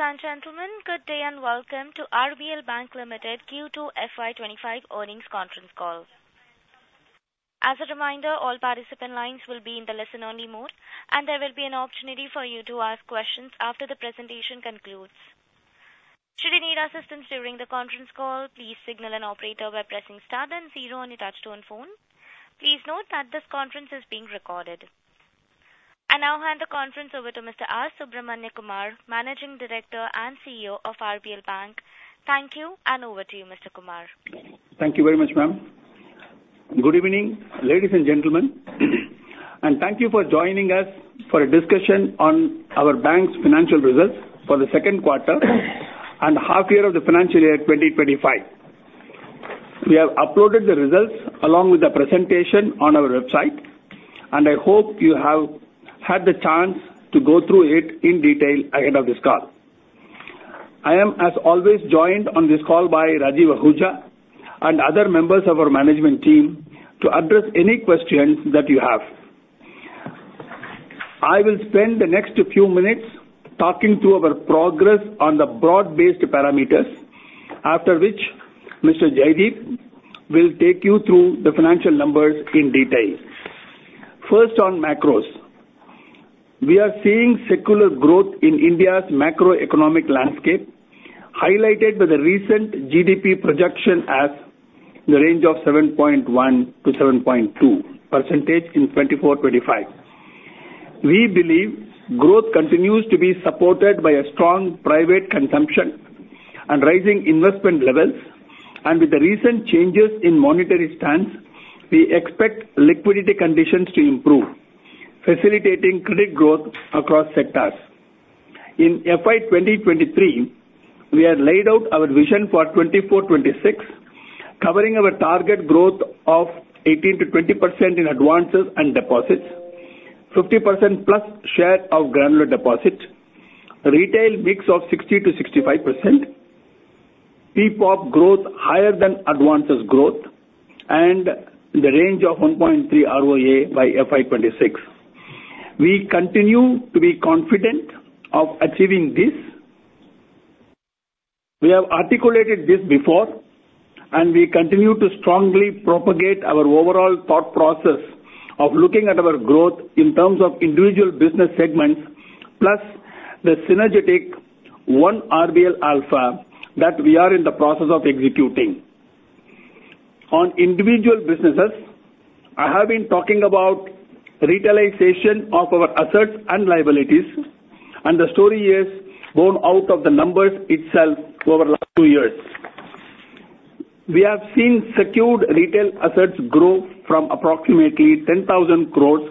Ladies and gentlemen, good day, and welcome to RBL Bank Limited Q2 FY twenty-five earnings conference call. As a reminder, all participant lines will be in the listen-only mode, and there will be an opportunity for you to ask questions after the presentation concludes. Should you need assistance during the conference call, please signal an operator by pressing star then zero on your touchtone phone. Please note that this conference is being recorded. I now hand the conference over to Mr. R Subramaniakumar, Managing Director and CEO of RBL Bank. Thank you, and over to you, Mr. Kumar. Thank you very much, ma'am. Good evening, ladies and gentlemen, and thank you for joining us for a discussion on our bank's financial results for the second quarter and half year of the financial year twenty twenty-five. We have uploaded the results along with the presentation on our website, and I hope you have had the chance to go through it in detail ahead of this call. I am, as always, joined on this call by Rajiv Ahuja and other members of our management team to address any questions that you have. I will spend the next few minutes talking through our progress on the broad-based parameters, after which Mr. Jaideep will take you through the financial numbers in detail. First, on macros. We are seeing secular growth in India's macroeconomic landscape, highlighted by the recent GDP projection as in the range of 7.1% to 7.2% in 2024-25. We believe growth continues to be supported by a strong private consumption and rising investment levels, and with the recent changes in monetary stance, we expect liquidity conditions to improve, facilitating credit growth across sectors. In FY 2023, we have laid out our vision for 2024-26, covering our target growth of 18%-20% in advances and deposits, 50% plus share of granular deposits, retail mix of 60%-65%, PPOP growth higher than advances growth, and in the range of 1.3 ROA by FY 2026. We continue to be confident of achieving this. We have articulated this before, and we continue to strongly propagate our overall thought process of looking at our growth in terms of individual business segments, plus the synergetic one RBL Alpha that we are in the process of executing. On individual businesses, I have been talking about retailization of our assets and liabilities, and the story is born out of the numbers itself over the last two years. We have seen secured retail assets grow from approximately 10,000 crores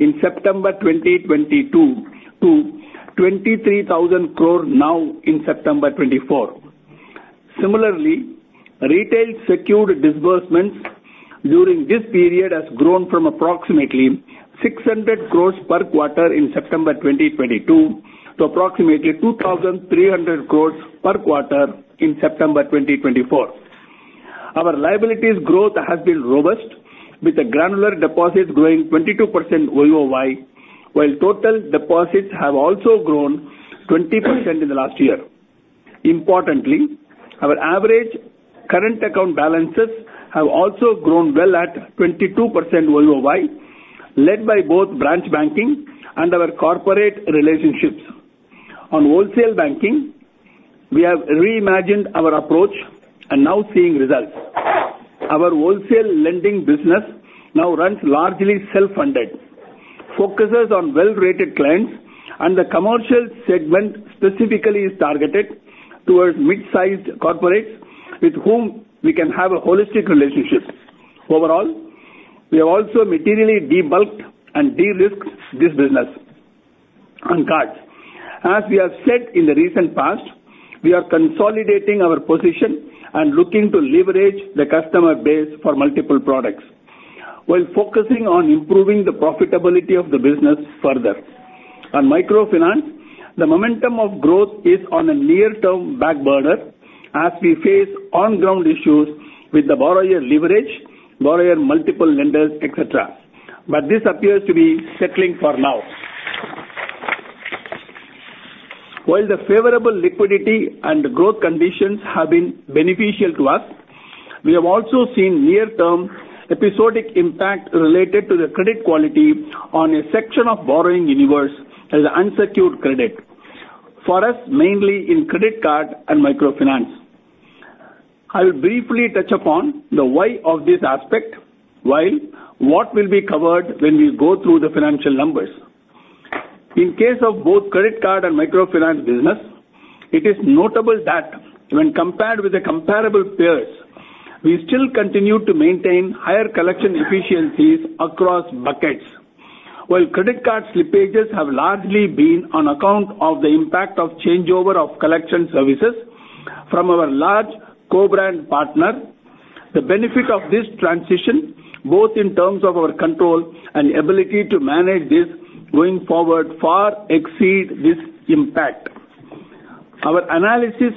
in September 2022 to 23,000 crore now in September 2024. Similarly, retail secured disbursements during this period has grown from approximately 600 crores per quarter in September 2022 to approximately 2,300 crores per quarter in September 2024. Our liabilities growth has been robust, with the granular deposits growing 22% YoY, while total deposits have also grown 20% in the last year. Importantly, our average current account balances have also grown well at 22% YoY, led by both branch banking and our corporate relationships. On wholesale banking, we have reimagined our approach and now seeing results. Our wholesale lending business now runs largely self-funded, focuses on well-rated clients, and the commercial segment specifically is targeted towards mid-sized corporates with whom we can have a holistic relationship. Overall, we have also materially de-bulked and de-risked this business. On cards, as we have said in the recent past, we are consolidating our position and looking to leverage the customer base for multiple products while focusing on improving the profitability of the business further. On microfinance, the momentum of growth is on a near-term back burner as we face on-ground issues with the borrower leverage, borrower multiple lenders, et cetera, but this appears to be settling for now. While the favorable liquidity and growth conditions have been beneficial to us, we have also seen near-term episodic impact related to the credit quality on a section of borrowing universe as unsecured credit, for us, mainly in credit card and microfinance. I will briefly touch upon the why of this aspect, while what will be covered when we go through the financial numbers. In case of both credit card and microfinance business, it is notable that when compared with the comparable peers, we still continue to maintain higher collection efficiencies across buckets. While credit card slippages have largely been on account of the impact of changeover of collection services from our large co-brand partner, the benefit of this transition, both in terms of our control and ability to manage this going forward, far exceed this impact. Our analysis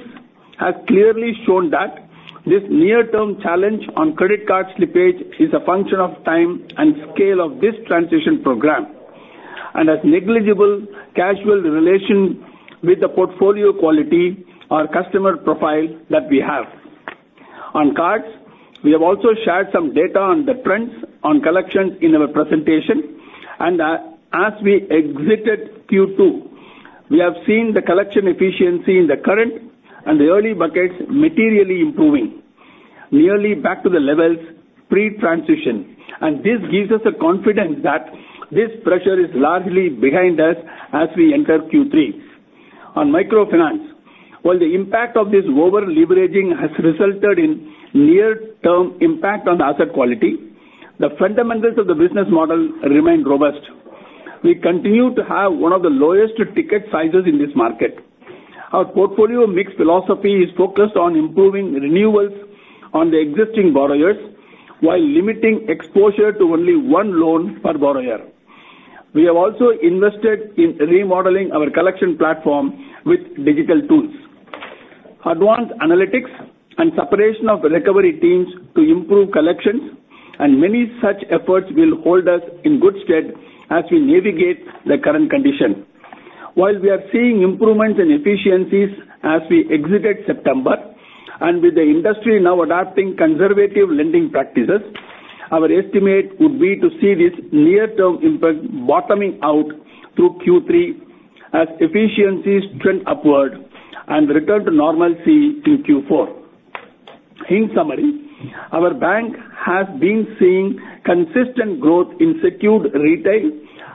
has clearly shown that this near-term challenge on credit card slippage is a function of time and scale of this transition program, and has negligible causal relation with the portfolio quality or customer profile that we have. On cards, we have also shared some data on the trends on collection in our presentation, and, as we exited Q2, we have seen the collection efficiency in the current and the early buckets materially improving, nearly back to the levels pre-transition. And this gives us the confidence that this pressure is largely behind us as we enter Q3. On microfinance, while the impact of this over-leveraging has resulted in near-term impact on the asset quality, the fundamentals of the business model remain robust. We continue to have one of the lowest ticket sizes in this market. Our portfolio mix philosophy is focused on improving renewals on the existing borrowers, while limiting exposure to only one loan per borrower. We have also invested in remodeling our collection platform with digital tools. Advanced analytics and separation of recovery teams to improve collections, and many such efforts will hold us in good stead as we navigate the current condition. While we are seeing improvements in efficiencies as we exited September, and with the industry now adopting conservative lending practices, our estimate would be to see this near-term impact bottoming out through Q3 as efficiencies trend upward and return to normalcy in Q4. In summary, our bank has been seeing consistent growth in secured retail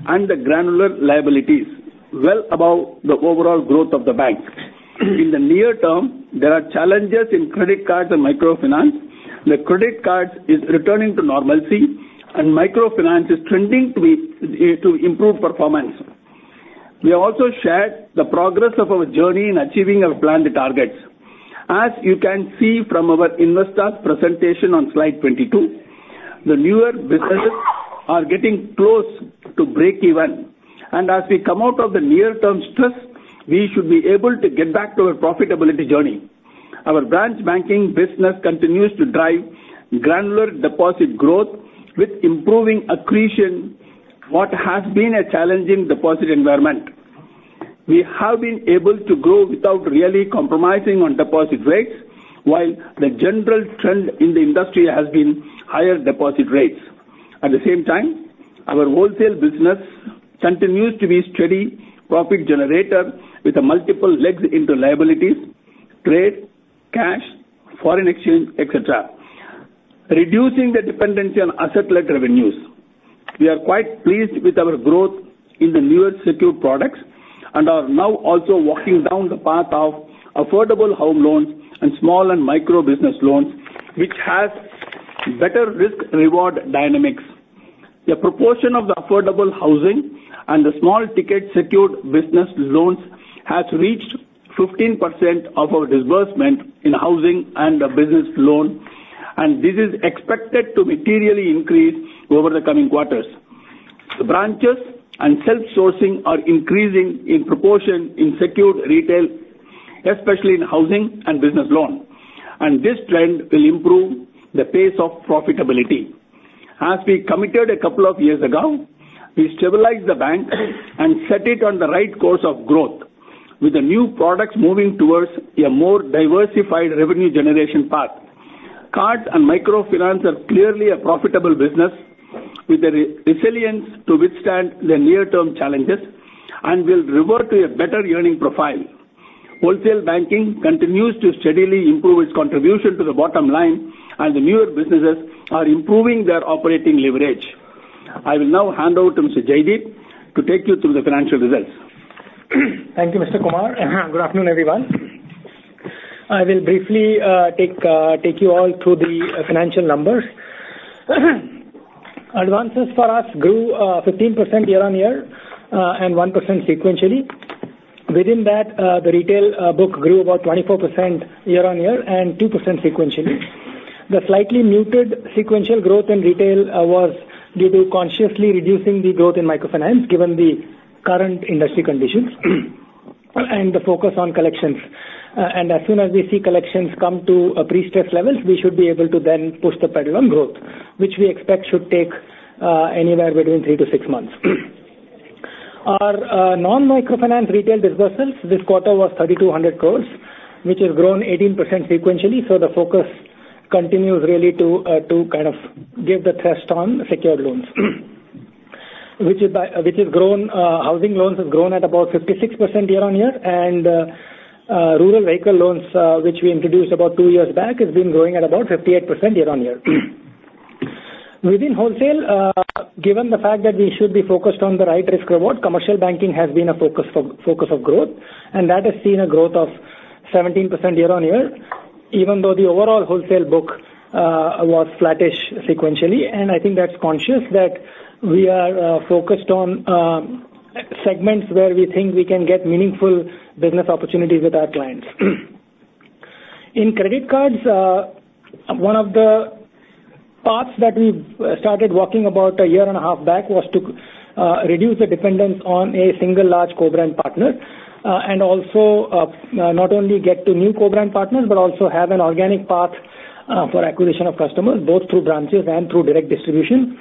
and the granular liabilities, well above the overall growth of the bank. In the near term, there are challenges in credit cards and microfinance. The credit cards is returning to normalcy, and microfinance is trending to be to improve performance. We have also shared the progress of our journey in achieving our planned targets. As you can see from our investor presentation on slide 22, the newer businesses are getting close to breakeven, and as we come out of the near-term stress, we should be able to get back to our profitability journey. Our branch banking business continues to drive granular deposit growth with improving accretion, what has been a challenging deposit environment. We have been able to grow without really compromising on deposit rates, while the general trend in the industry has been higher deposit rates. At the same time, our wholesale business continues to be steady profit generator with multiple legs into liabilities, trade, cash, foreign exchange, et cetera, reducing the dependency on asset-led revenues. We are quite pleased with our growth in the newer secured products, and are now also walking down the path of affordable home loans and small and micro business loans, which has better risk reward dynamics. The proportion of the affordable housing and the small ticket secured business loans has reached 15% of our disbursement in housing and the business loan, and this is expected to materially increase over the coming quarters. The branches and self-sourcing are increasing in proportion in secured retail, especially in housing and business loan, and this trend will improve the pace of profitability. As we committed a couple of years ago, we stabilized the bank and set it on the right course of growth, with the new products moving towards a more diversified revenue generation path. Cards and microfinance are clearly a profitable business, with the resilience to withstand the near-term challenges and will revert to a better earning profile. Wholesale banking continues to steadily improve its contribution to the bottom line, and the newer businesses are improving their operating leverage. I will now hand over to Mr. Jaideep to take you through the financial results. Thank you, Mr. Kumar. Good afternoon, everyone. I will briefly take you all through the financial numbers. Advances for us grew 15% year-on-year and 1% sequentially. Within that, the retail book grew about 24% year-on-year and 2% sequentially. The slightly muted sequential growth in retail was due to consciously reducing the growth in microfinance, given the current industry conditions, and the focus on collections. And as soon as we see collections come to a pre-stress levels, we should be able to then push the pedal on growth, which we expect should take anywhere between three to six months. Our non-microfinance retail disbursements this quarter was 3,200 crores, which has grown 18% sequentially, so the focus continues really to kind of give the thrust on secured loans. Which has grown, housing loans have grown at about 56% year-on-year, and rural vehicle loans, which we introduced about two years back, has been growing at about 58% year-on-year. Within wholesale, given the fact that we should be focused on the right risk reward, commercial banking has been a focus of growth, and that has seen a growth of 17% year-on-year, even though the overall wholesale book was flattish sequentially, and I think that's conscious that we are focused on segments where we think we can get meaningful business opportunities with our clients. In credit cards, one of the... paths that we've started working about a year and a half back was to reduce the dependence on a single large co-brand partner, and also not only get to new co-brand partners, but also have an organic path for acquisition of customers, both through branches and through direct distribution.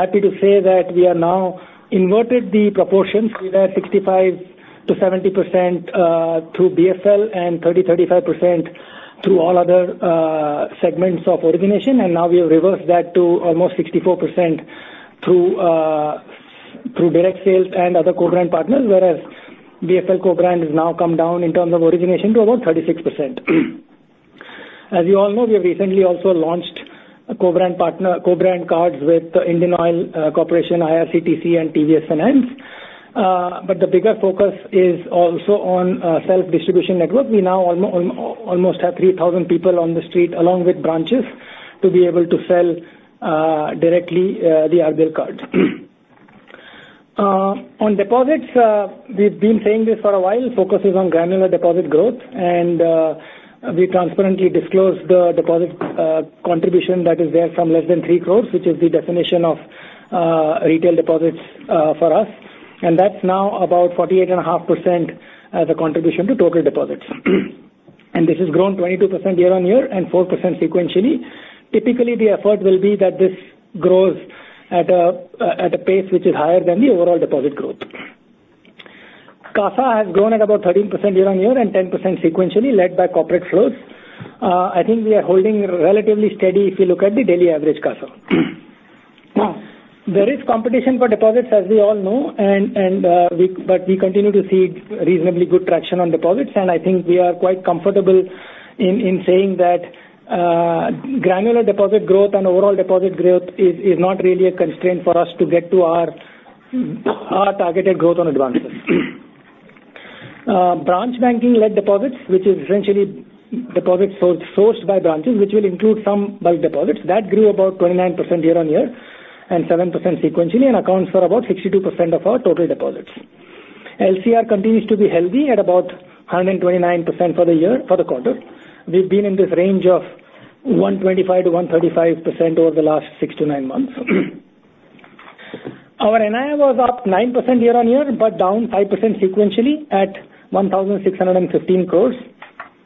Happy to say that we havenow inverted the proportions. We were 65%-70% through BFL and 30-35% through all other segments of origination, and now we have reversed that to almost 64% through direct sales and other co-brand partners, whereas BFL co-brand has now come down in terms of origination to about 36%. As you all know, we have recently also launched co-brand cards with the Indian Oil Corporation, IRCTC, and TVS Finance. But the bigger focus is also on self-distribution network. We now almost have 3,000 people on the street, along with branches, to be able to sell directly the RBL card. On deposits, we've been saying this for a while, focus is on granular deposit growth, and we transparently disclose the deposit contribution that is there from less than 3 crore, which is the definition of retail deposits for us. And that's now about 48.5% as a contribution to total deposits. And this has grown 22% year-on-year and 4% sequentially. Typically, the effort will be that this grows at a pace which is higher than the overall deposit growth. CASA has grown at about 13% year-on-year and 10% sequentially, led by corporate flows. I think we are holding relatively steady if you look at the daily average CASA. There is competition for deposits, as we all know, but we continue to see reasonably good traction on deposits, and I think we are quite comfortable in saying that, granular deposit growth and overall deposit growth is not really a constraint for us to get to our targeted growth on advances. Branch banking-led deposits, which is essentially deposits sourced by branches, which will include some bulk deposits, that grew about 29% year-on-year and 7% sequentially and accounts for about 62% of our total deposits. LCR continues to be healthy at about 129% for the year, for the quarter. We've been in this range of 125%-135% over the last six to nine months. Our NII was up 9% year-on-year, but down 5% sequentially at 1,615 crores.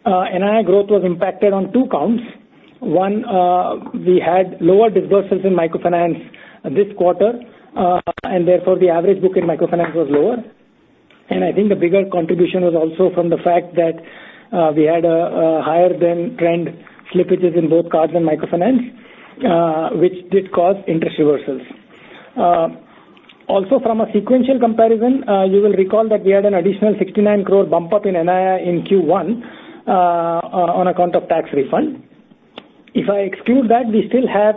NII growth was impacted on two counts. One, we had lower dispersals in microfinance this quarter, and therefore, the average book in microfinance was lower. And I think the bigger contribution was also from the fact that, we had a higher than trend slippages in both cards and microfinance, which did cause interest reversals. Also from a sequential comparison, you will recall that we had an additional 69 crore bump up in NII in Q1, on account of tax refund. If I exclude that, we still have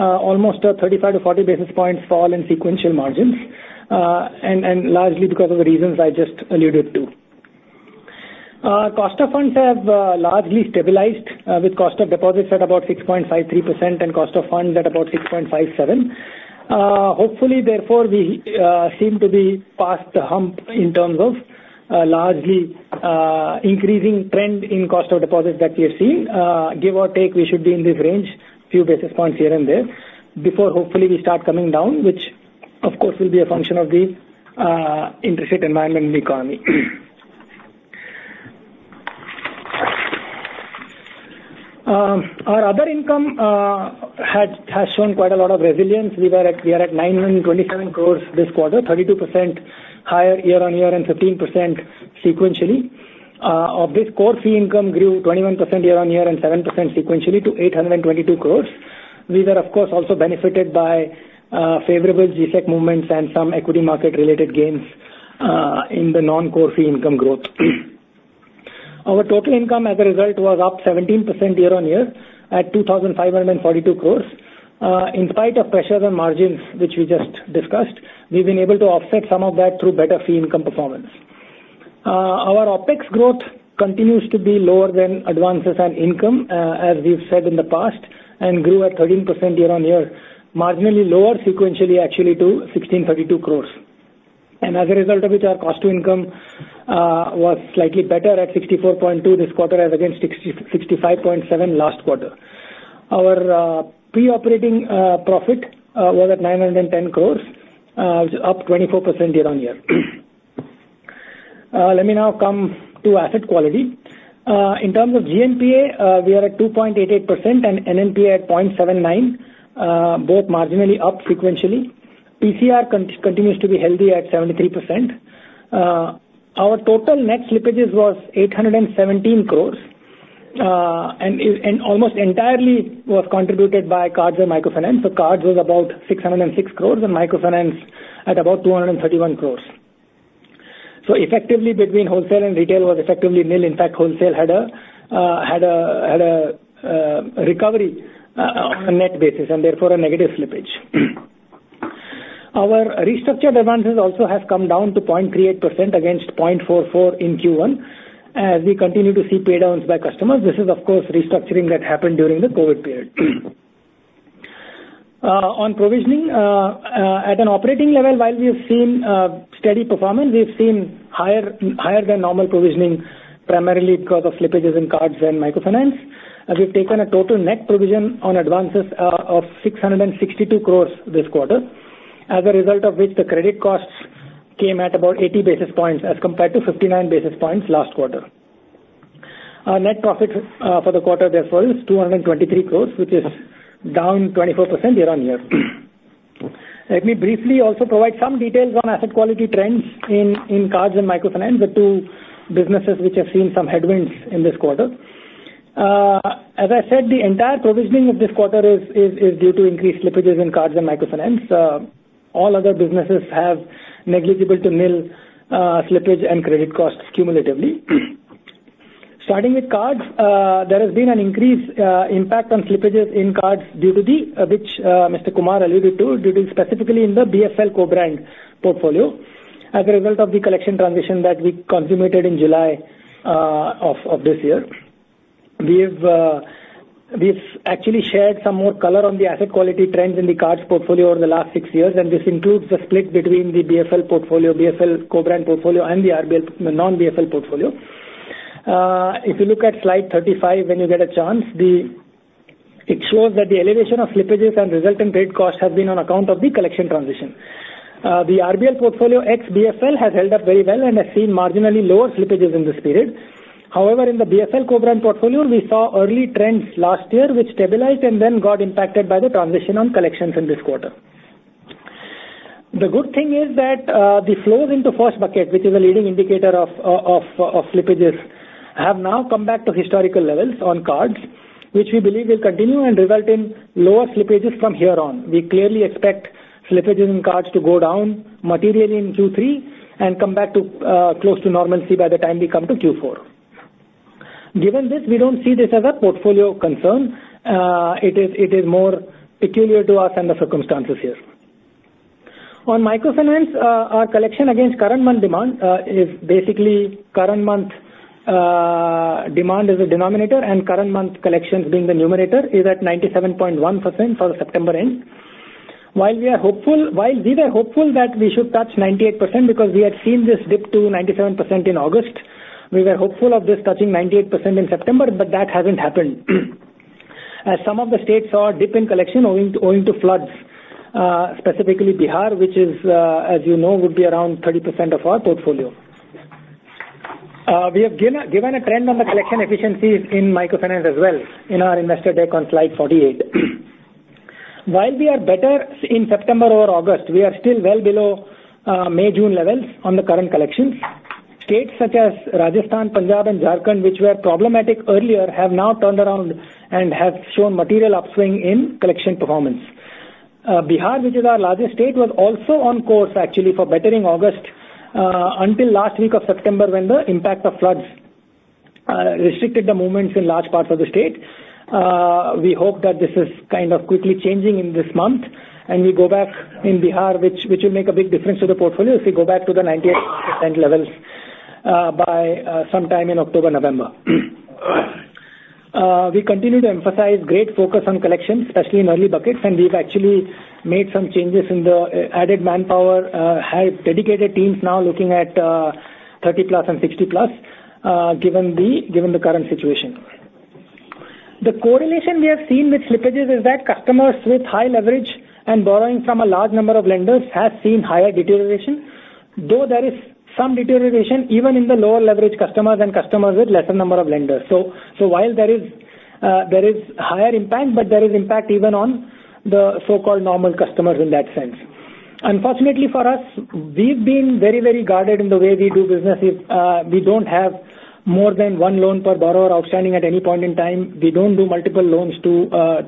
almost a 35-40 basis points fall in sequential margins, and largely because of the reasons I just alluded to. Cost of funds have largely stabilized with cost of deposits at about 6.53% and cost of funds at about 6.57. Hopefully, therefore, we seem to be past the hump in terms of largely increasing trend in cost of deposits that we have seen. Give or take, we should be in this range, few basis points here and there, before hopefully we start coming down, which of course, will be a function of the interest rate environment in the economy. Our other income has shown quite a lot of resilience. We are at 927 crores this quarter, 32% higher year-on-year and 15% sequentially. Of this, core fee income grew 21% year-on-year and 7% sequentially to 822 crores. We were, of course, also benefited by favorable G-Sec movements and some equity market-related gains in the non-core fee income growth. Our total income, as a result, was up 17% year-on-year at 2,542 crores. In spite of pressures on margins, which we just discussed, we've been able to offset some of that through better fee income performance. Our OpEx growth continues to be lower than advances and income, as we've said in the past, and grew at 13% year-on-year, marginally lower sequentially, actually, to 1,632 crores, and as a result of which, our cost to income was slightly better at 64.2% this quarter as against 65.7% last quarter. Our pre-operating profit was at 910 crores, up 24% year-on-year. Let me now come to asset quality. In terms of GNPA, we are at 2.88% and NNPA at 0.79%, both marginally up sequentially. PCR continues to be healthy at 73%. Our total net slippages was 817 crores, and almost entirely was contributed by cards and microfinance. So cards was about 606 crores, and microfinance at about 231 crores. So effectively, between wholesale and retail was effectively nil. In fact, wholesale had a recovery on a net basis, and therefore a negative slippage. Our restructured advances also have come down to 0.38% against 0.44% in Q1. As we continue to see paydowns by customers, this is, of course, restructuring that happened during the COVID period.... on provisioning, at an operating level, while we have seen, steady performance, we've seen higher, higher than normal provisioning, primarily because of slippages in cards and microfinance. As we've taken a total net provision on advances, of 662 crores this quarter. As a result of which, the credit costs came at about 80 basis points as compared to 59 basis points last quarter. Our net profit, for the quarter, therefore, is 223 crores, which is down 24% year-on-year. Let me briefly also provide some details on asset quality trends in cards and microfinance, the two businesses which have seen some headwinds in this quarter. As I said, the entire provisioning of this quarter is due to increased slippages in cards and microfinance. All other businesses have negligible to nil slippage and credit costs cumulatively. Starting with cards, there has been an increased impact on slippages in cards due to Mr. Kumar alluded to, due to specifically in the BFL co-brand portfolio as a result of the collection transition that we consummated in July of this year. We've actually shared some more color on the asset quality trends in the cards portfolio over the last six years, and this includes the split between the BFL portfolio, BFL co-brand portfolio, and the RBL, the non-BFL portfolio. If you look at slide 35, when you get a chance, it shows that the elevation of slippages and resultant credit costs have been on account of the collection transition. The RBL portfolio ex-BFL has held up very well and has seen marginally lower slippages in this period. However, in the BFL co-brand portfolio, we saw early trends last year, which stabilized and then got impacted by the transition on collections in this quarter. The good thing is that, the flows into first bucket, which is a leading indicator of slippages, have now come back to historical levels on cards, which we believe will continue and result in lower slippages from here on. We clearly expect slippages in cards to go down materially in Q3 and come back to close to normalcy by the time we come to Q4. Given this, we don't see this as a portfolio concern. It is more peculiar to us and the circumstances here. On microfinance, our collection against current month demand is basically current month demand is the denominator, and current month collections being the numerator, is at 97.1% for September end. While we are hopeful-- While we were hopeful that we should touch 98% because we had seen this dip to 97% in August, we were hopeful of this touching 98% in September, but that hasn't happened. As some of the states saw a dip in collection owing to floods, specifically Bihar, which is, as you know, would be around 30% of our portfolio. We have given a trend on the collection efficiencies in microfinance as well in our investor deck on slide 48. While we are better in September over August, we are still well below May, June levels on the current collections. States such as Rajasthan, Punjab, and Jharkhand, which were problematic earlier, have now turned around and have shown material upswing in collection performance. Bihar, which is our largest state, was also on course actually for bettering August, until last week of September, when the impact of floods restricted the movements in large parts of the state. We hope that this is kind of quickly changing in this month, and we go back in Bihar, which will make a big difference to the portfolio, if we go back to the 98% levels, by sometime in October, November. We continue to emphasize great focus on collections, especially in early buckets, and we've actually made some changes in the added manpower, have dedicated teams now looking at thirty plus and sixty plus, given the current situation. The correlation we have seen with slippages is that customers with high leverage and borrowing from a large number of lenders have seen higher deterioration, though there is some deterioration even in the lower leverage customers and customers with lesser number of lenders. So, while there is higher impact, but there is impact even on the so-called normal customers in that sense. Unfortunately, for us, we've been very, very guarded in the way we do business. If we don't have more than one loan per borrower outstanding at any point in time, we don't do multiple loans to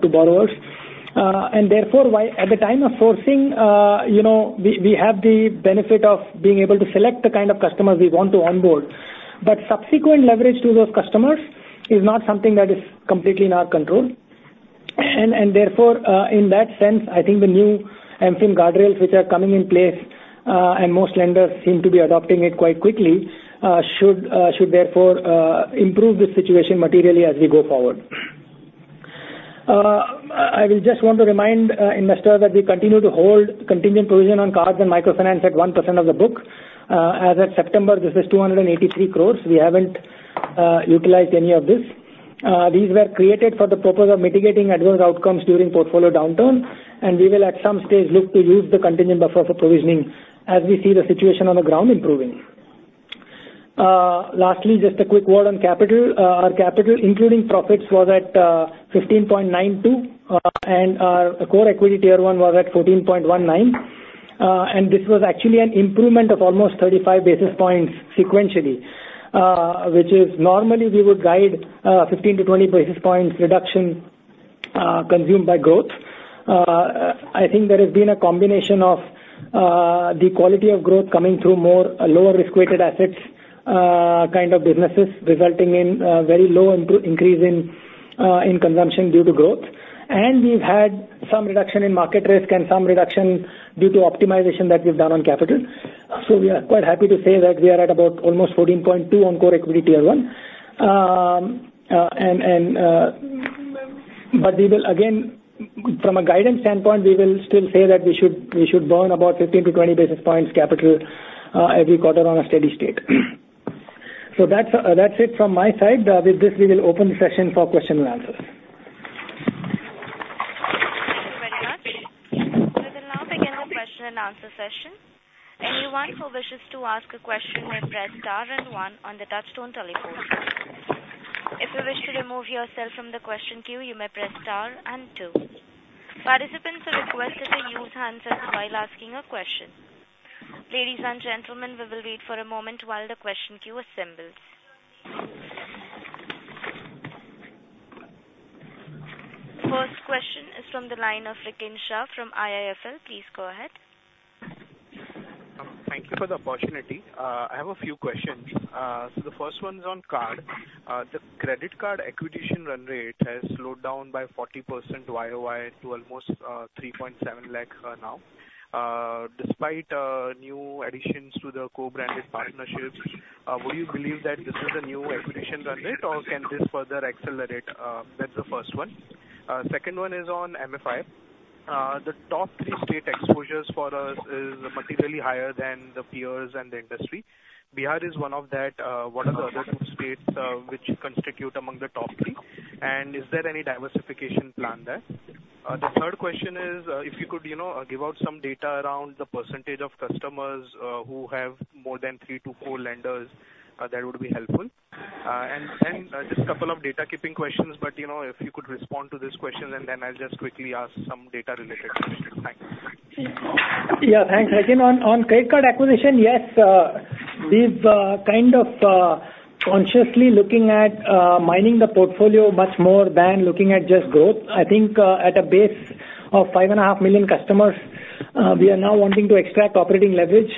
to borrowers. And therefore, why... At the time of sourcing, you know, we have the benefit of being able to select the kind of customers we want to onboard. But subsequent leverage to those customers is not something that is completely in our control. And therefore, in that sense, I think the new MFIN guardrails, which are coming in place, and most lenders seem to be adopting it quite quickly, should therefore improve the situation materially as we go forward. I will just want to remind investors that we continue to hold contingent provision on cards and microfinance at 1% of the book. As of September, this is 283 crores. We haven't utilized any of this. These were created for the purpose of mitigating adverse outcomes during portfolio downturn, and we will, at some stage, look to use the contingent buffer for provisioning as we see the situation on the ground improving. Lastly, just a quick word on capital. Our capital, including profits, was at 15.92, and our Core Equity Tier 1 was at 14.19, and this was actually an improvement of almost 35 basis points sequentially, which is normally we would guide 15-20 basis points reduction consumed by growth. I think there has been a combination of the quality of growth coming through more lower risk-weighted assets kind of businesses, resulting in very low increase in consumption due to growth. And we've had some reduction in market risk and some reduction due to optimization that we've done on capital, so we are quite happy to say that we are at about almost 14.2 on Core Equity Tier 1. But we will again, from a guidance standpoint, we will still say that we should burn about 15-20 basis points capital every quarter on a steady state. So that's it from my side. With this, we will open the session for question and answers. Thank you very much. We will now begin our question and answer session. Anyone who wishes to ask a question may press star and one on the touchtone telephone. If you wish to remove yourself from the question queue, you may press star and two. Participants are requested to use handsets while asking a question. Ladies and gentlemen, we will wait for a moment while the question queue assembles. First question is from the line of Rikin Shah from IIFL. Please go ahead. Thank you for the opportunity. I have a few questions. So the first one is on card. The credit card acquisition run rate has slowed down by 40% YOY to almost 3.7 lakh now. Despite new additions to the co-branded partnerships, would you believe that this is the new acquisition run rate, or can this further accelerate? That's the first one. Second one is on MFI. The top three state exposures for us is materially higher than the peers and the industry. Bihar is one of that. What are the other two states which constitute among the top three? And is there any diversification plan there? The third question is, if you could, you know, give out some data around the percentage of customers who have more than three to four lenders, that would be helpful, and just a couple of data keeping questions, but, you know, if you could respond to these questions, and then I'll just quickly ask some data-related questions. Thanks. Yeah, thanks. Again, on credit card acquisition, yes, we've kind of consciously looking at mining the portfolio much more than looking at just growth. I think, at a base of 5.5 million customers, we are now wanting to extract operating leverage,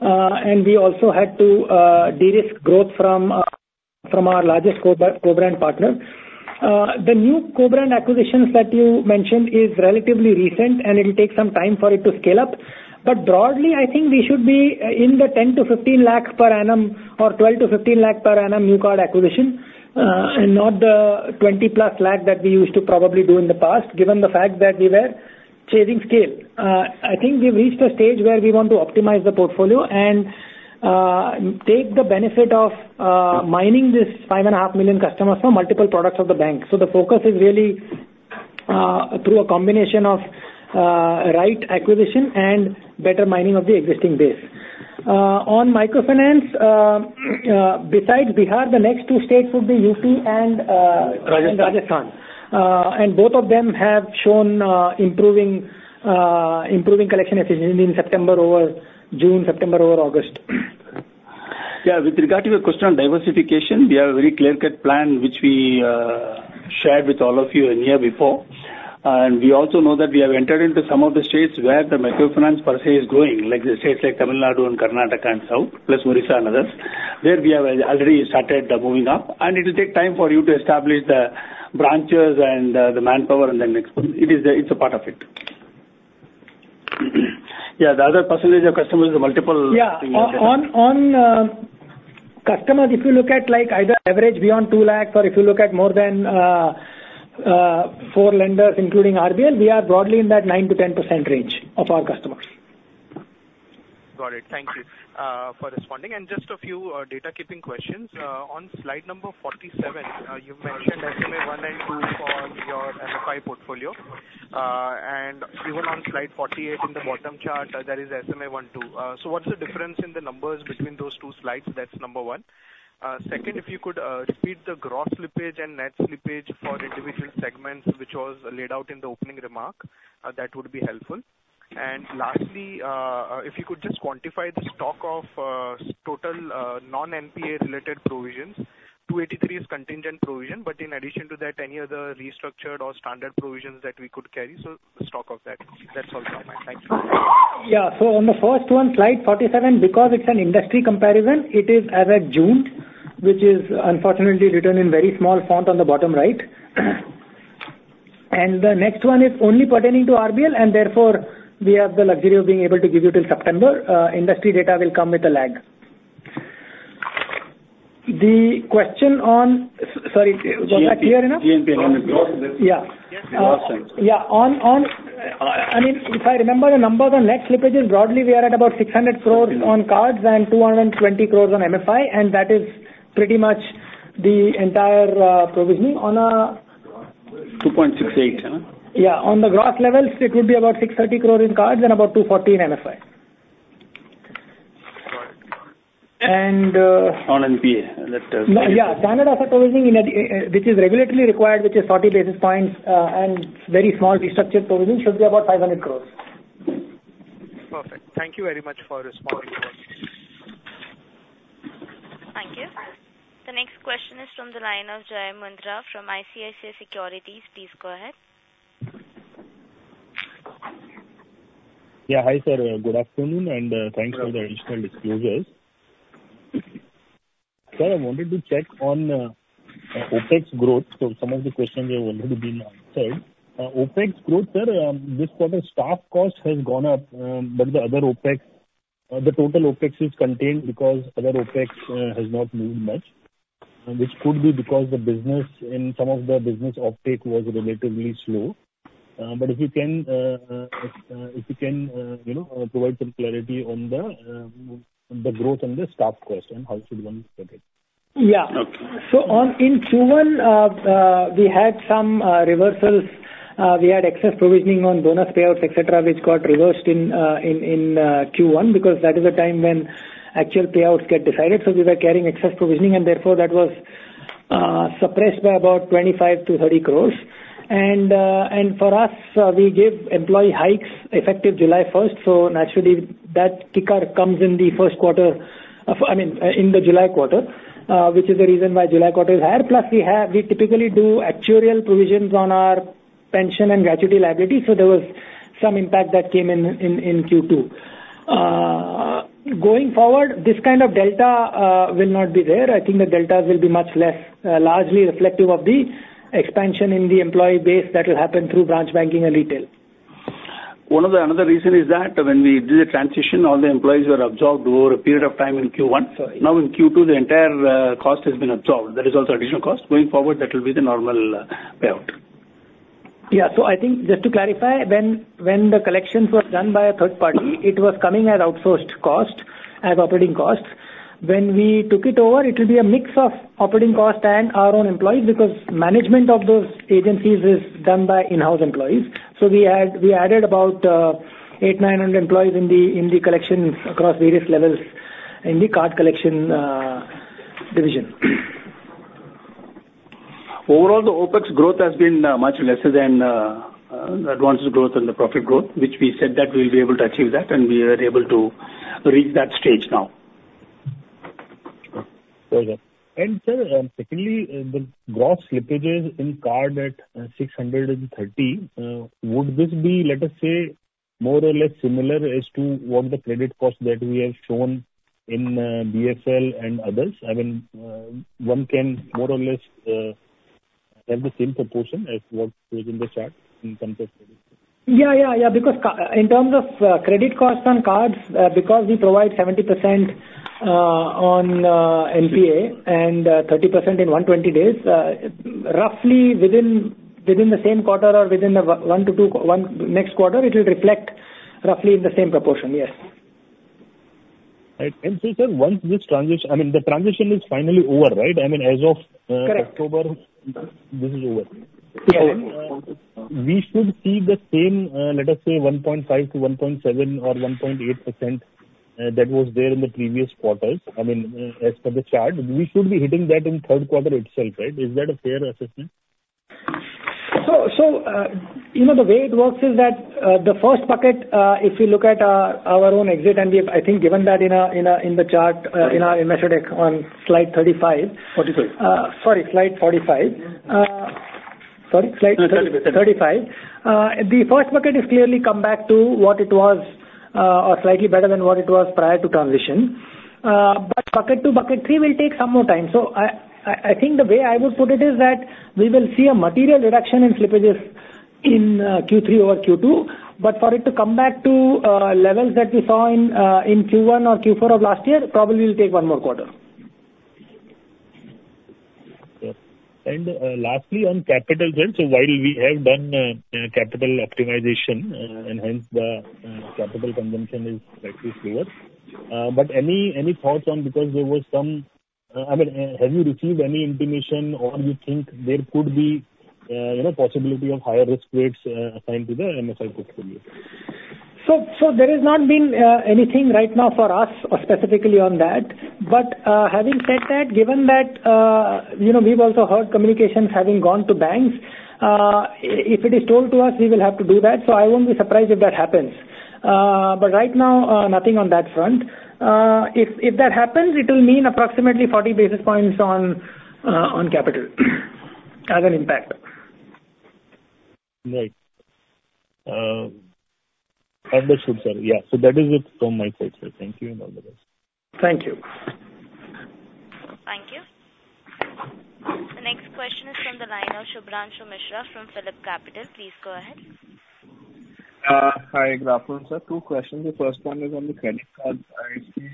and we also had to de-risk growth from our largest co-brand partner. The new co-brand acquisitions that you mentioned is relatively recent, and it'll take some time for it to scale up. But broadly, I think we should be in the 10 to 15 lakhs per annum or 12 to 15 lakh per annum new card acquisition, and not the twenty-plus lakh that we used to probably do in the past, given the fact that we were changing scale. I think we've reached a stage where we want to optimize the portfolio and take the benefit of mining this 5.5 million customers for multiple products of the bank, so the focus is really through a combination of right acquisition and better mining of the existing base. On microfinance, besides Bihar, the next two states would be UP and- Rajasthan. Rajasthan, and both of them have shown improving collection efficiency in September over June, September over August. Yeah, with regard to your question on diversification, we have a very clear-cut plan, which we shared with all of you a year before. And we also know that we have entered into some of the states where the microfinance per se is growing, like the states like Tamil Nadu and Karnataka and South, plus Odisha and others, where we have already started moving up. And it will take time for you to establish the branches and the manpower and then expand. It is a, it's a part of it. Yeah, the other percentage of customers is multiple- Yeah. On customers, if you look at, like, either average beyond two lakhs or if you look at more than four lenders, including RBL, we are broadly in that 9%-10% range of our customers. Got it. Thank you for responding. And just a few data keeping questions. On slide number 47, you mentioned SMA I and II for your MFI portfolio. And even on slide 48 in the bottom chart, there is SMA I, too. So what's the difference in the numbers between those two slides? That's number one. Second, if you could repeat the gross slippage and net slippage for individual segments, which was laid out in the opening remark, that would be helpful. And lastly, if you could just quantify the stock of total non-NPA related provisions, 283 is contingent provision, but in addition to that, any other restructured or standard provisions that we could carry, so stock of that. That's all from my end. Thank you. Yeah. So on the first one, slide forty-seven, because it's an industry comparison, it is as at June, which is unfortunately written in very small font on the bottom right. And the next one is only pertaining to RBL, and therefore, we have the luxury of being able to give you till September. Industry data will come with a lag. The question on... Sorry, was that clear enough? GNPA and gross- Yeah. Yes. Yeah, I mean, if I remember the numbers on net slippage, and broadly, we are at about 600 crores on cards and 220 crores on MFI, and that is pretty much the entire provisioning. On a- 2.68, huh? Yeah. On the gross levels, it would be about 630 crore in cards and about 240 crore in MFI. Got it. And, uh- On NPA, that, Yeah, standard other provisioning, which is regulatory required, which is 40 basis points, and very small restructured provisioning, should be about 500 crores. Perfect. Thank you very much for responding. Thank you. The next question is from the line of Jai Mundhra from ICICI Securities. Please go ahead. Yeah. Hi, sir, good afternoon, and thanks for the additional disclosures. Sir, I wanted to check on OpEx growth. So some of the questions have already been answered. OpEx growth, sir, this quarter's staff cost has gone up, but the other OpEx, the total OpEx is contained because other OpEx has not moved much. And this could be because the business in some of the business uptake was relatively slow. But if you can, you know, provide some clarity on the growth and the staff cost and how should one look at it? Yeah. Okay. So, in Q1, we had some reversals. We had excess provisioning on bonus payouts, et cetera, which got reversed in Q1, because that is the time when actual payouts get decided. So we were carrying excess provisioning, and therefore, that was suppressed by about 25-30 crores. And for us, we gave employee hikes effective July first, so naturally, that kicker comes in the first quarter of, I mean, in the July quarter, which is the reason why July quarter is higher. Plus, we typically do actuarial provisions on our pension and gratuity liability, so there was some impact that came in Q2. Going forward, this kind of delta will not be there. I think the deltas will be much less, largely reflective of the expansion in the employee base that will happen through branch banking and retail. Another reason is that when we did the transition, all the employees were absorbed over a period of time in Q1. Sorry. Now, in Q2, the entire cost has been absorbed. There is also additional cost. Going forward, that will be the normal payout. Yeah. So I think just to clarify, when the collections were done by a third party, it was coming at outsourced cost, as operating costs. When we took it over, it will be a mix of operating costs and our own employees, because management of those agencies is done by in-house employees. So we added about eight, nine hundred employees in the collections across various levels in the card collection division. Overall, the OpEx growth has been much lesser than the advances growth and the profit growth, which we said that we'll be able to achieve that, and we are able to reach that stage now. Very well. And, sir, secondly, the gross slippages in card at 630 would this be, let us say, more or less similar as to what the credit cost that we have shown in BFL and others? I mean, one can more or less have the same proportion as what is in the chart in terms of credit? Yeah, yeah, yeah, because in terms of credit costs on cards, because we provide 70% on NPA and 30% in 120 days, roughly within the same quarter or within one to two quarters, one next quarter, it will reflect roughly in the same proportion. Yes. Right. And so, sir, once this transit... I mean, the transition is finally over, right? I mean, as of, Correct... October, this is over. Yeah. We should see the same, let us say, 1.5% to 1.7% or 1.8%, that was there in the previous quarters. I mean, as per the chart, we should be hitting that in third quarter itself, right? Is that a fair assessment? You know, the way it works is that the first bucket, if you look at our own exit, and we have, I think, given that in the chart in our method on slide 35. Forty-five. Sorry, slide 45. Sorry, slide- No, 35... 35. The first bucket is clearly come back to what it was, or slightly better than what it was prior to transition. But bucket two, bucket three will take some more time. So I think the way I would put it is that we will see a material reduction in slippages in Q3 over Q2, but for it to come back to levels that we saw in Q1 or Q4 of last year, probably it'll take one more quarter. Yes. And lastly, on capital, then, so while we have done capital optimization, and hence the capital consumption is slightly slower, but any thoughts on... because there was some, I mean, have you received any intimation or you think there could be, you know, possibility of higher risk weights assigned to the MSME portfolio? So there has not been anything right now for us specifically on that. But having said that, given that, you know, we've also heard communications having gone to banks, if it is told to us, we will have to do that, so I won't be surprised if that happens. But right now, nothing on that front. If that happens, it will mean approximately forty basis points on capital as an impact. Right. Understood, sir. Yeah, so that is it from my side, sir. Thank you and all the best. Thank you. Thank you. The next question is from the line of Shubhranshu Mishra from PhillipCapital. Please go ahead. Hi, Rahul, sir. Two questions. The first one is on the credit card. I see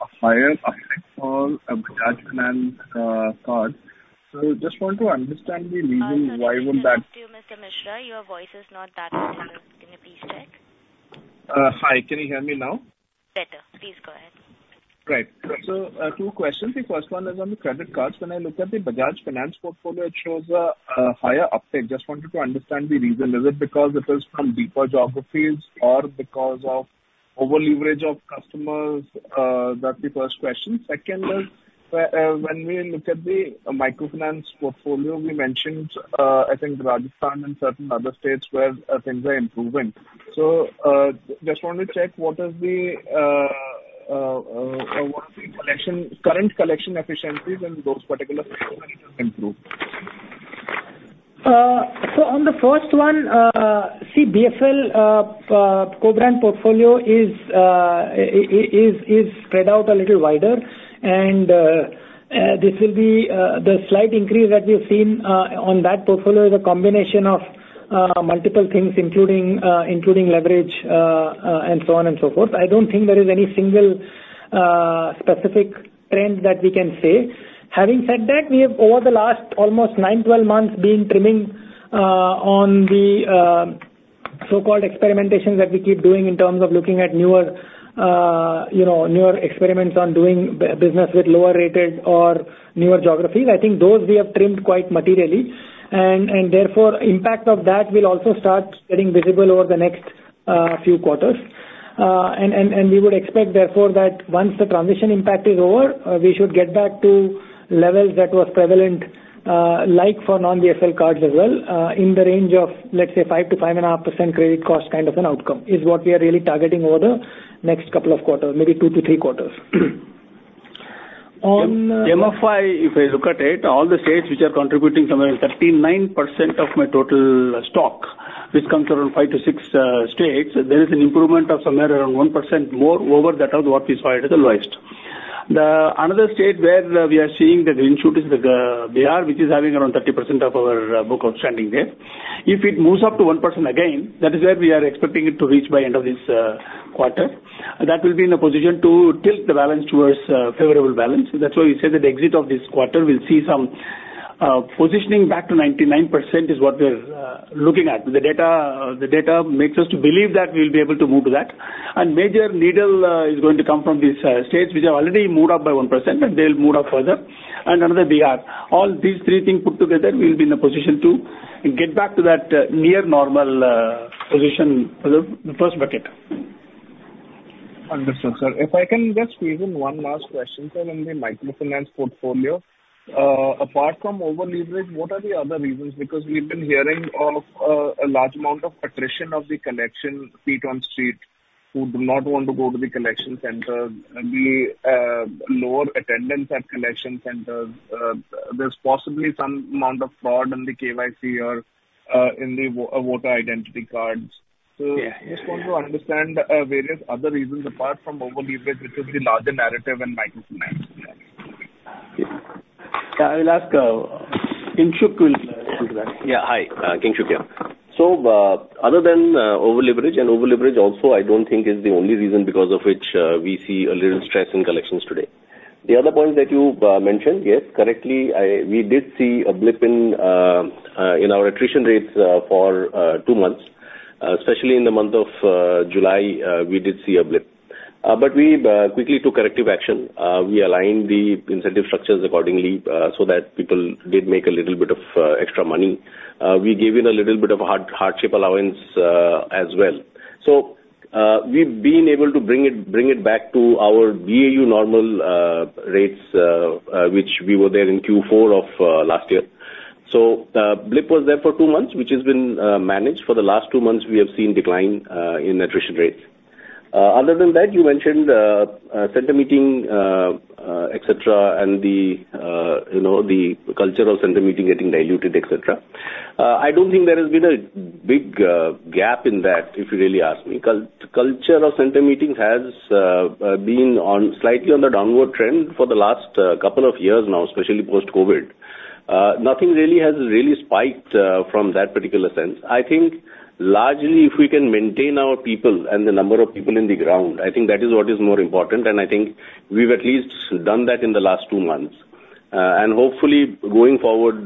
a higher uptake on Bajaj Finance card. So just want to understand the reason why would that- Sorry, can't hear you, Mr. Mishra. Your voice is not that clear. Can you please check? Hi, can you hear me now? Better. Please go ahead. Right. So, two questions. The first one is on the credit cards. When I look at the Bajaj Finance portfolio, it shows a higher uptake. Just wanted to understand the reason. Is it because it is from deeper geographies or because of over-leverage of customers? That's the first question. Second is, when we look at the microfinance portfolio, we mentioned, I think Rajasthan and certain other states where things are improving. So, just want to check, what is the current collection efficiencies in those particular portfolio have improved?... So on the first one, see BFL co-brand portfolio is spread out a little wider, and this will be the slight increase that we've seen on that portfolio is a combination of multiple things, including leverage, and so on and so forth. I don't think there is any single specific trend that we can say. Having said that, we have, over the last almost nine, twelve months, been trimming on the so-called experimentation that we keep doing in terms of looking at newer, you know, newer experiments on doing business with lower-rated or newer geographies. I think those we have trimmed quite materially, and therefore, impact of that will also start getting visible over the next few quarters. We would expect, therefore, that once the transition impact is over, we should get back to levels that was prevalent, like for non-B cards as well, in the range of, let's say, 5% to 5.5% credit cost, kind of an outcome, is what we are really targeting over the next couple of quarters, maybe two to three quarters. On, MFI, if I look at it, all the states which are contributing somewhere 39% of my total stock, which comes around five to six states, there is an improvement of somewhere around 1% more over that of what is provided the lowest. The another state where we are seeing that the issue is the Bihar, which is having around 30% of our book outstanding there. If it moves up to 1% again, that is where we are expecting it to reach by end of this quarter. That will be in a position to tilt the balance towards favorable balance. So that's why we say that end of this quarter will see some positioning back to 99% is what we're looking at. The data, the data makes us to believe that we'll be able to move to that. And major needle is going to come from these states which have already moved up by 1%, and they'll move up further. And another, Bihar. All these three things put together, we'll be in a position to get back to that near normal position for the first bucket. Understood, sir. If I can just squeeze in one last question, sir, on the microfinance portfolio. Apart from over-leverage, what are the other reasons? Because we've been hearing of a large amount of attrition of the collection feet on street, who do not want to go to the collection center, and the lower attendance at collection centers. There's possibly some amount of fraud in the KYC or in the voter identity cards. Yeah. So just want to understand, various other reasons apart from over-leverage, which is the larger narrative in microfinance. Yeah, I will ask, Kingshuk will answer that. Yeah. Hi, Kingshuk here. So, other than over-leverage, and over-leverage also, I don't think is the only reason because of which we see a little stress in collections today. The other point that you mentioned, yes, correctly, we did see a blip in our attrition rates for two months. Especially in the month of July, we did see a blip. But we quickly took corrective action. We aligned the incentive structures accordingly, so that people did make a little bit of extra money. We gave in a little bit of hardship allowance, as well. So, we've been able to bring it back to our BAU normal rates, which we were there in Q4 of last year. So, blip was there for two months, which has been managed. For the last two months, we have seen decline in attrition rates. Other than that, you mentioned center meeting, et cetera, and the, you know, the culture of center meeting getting diluted, et cetera. I don't think there has been a big gap in that, if you really ask me. Culture of center meetings has been on, slightly on the downward trend for the last couple of years now, especially post-COVID. Nothing really has really spiked from that particular sense. I think largely, if we can maintain our people and the number of people in the ground, I think that is what is more important, and I think we've at least done that in the last two months. And hopefully, going forward,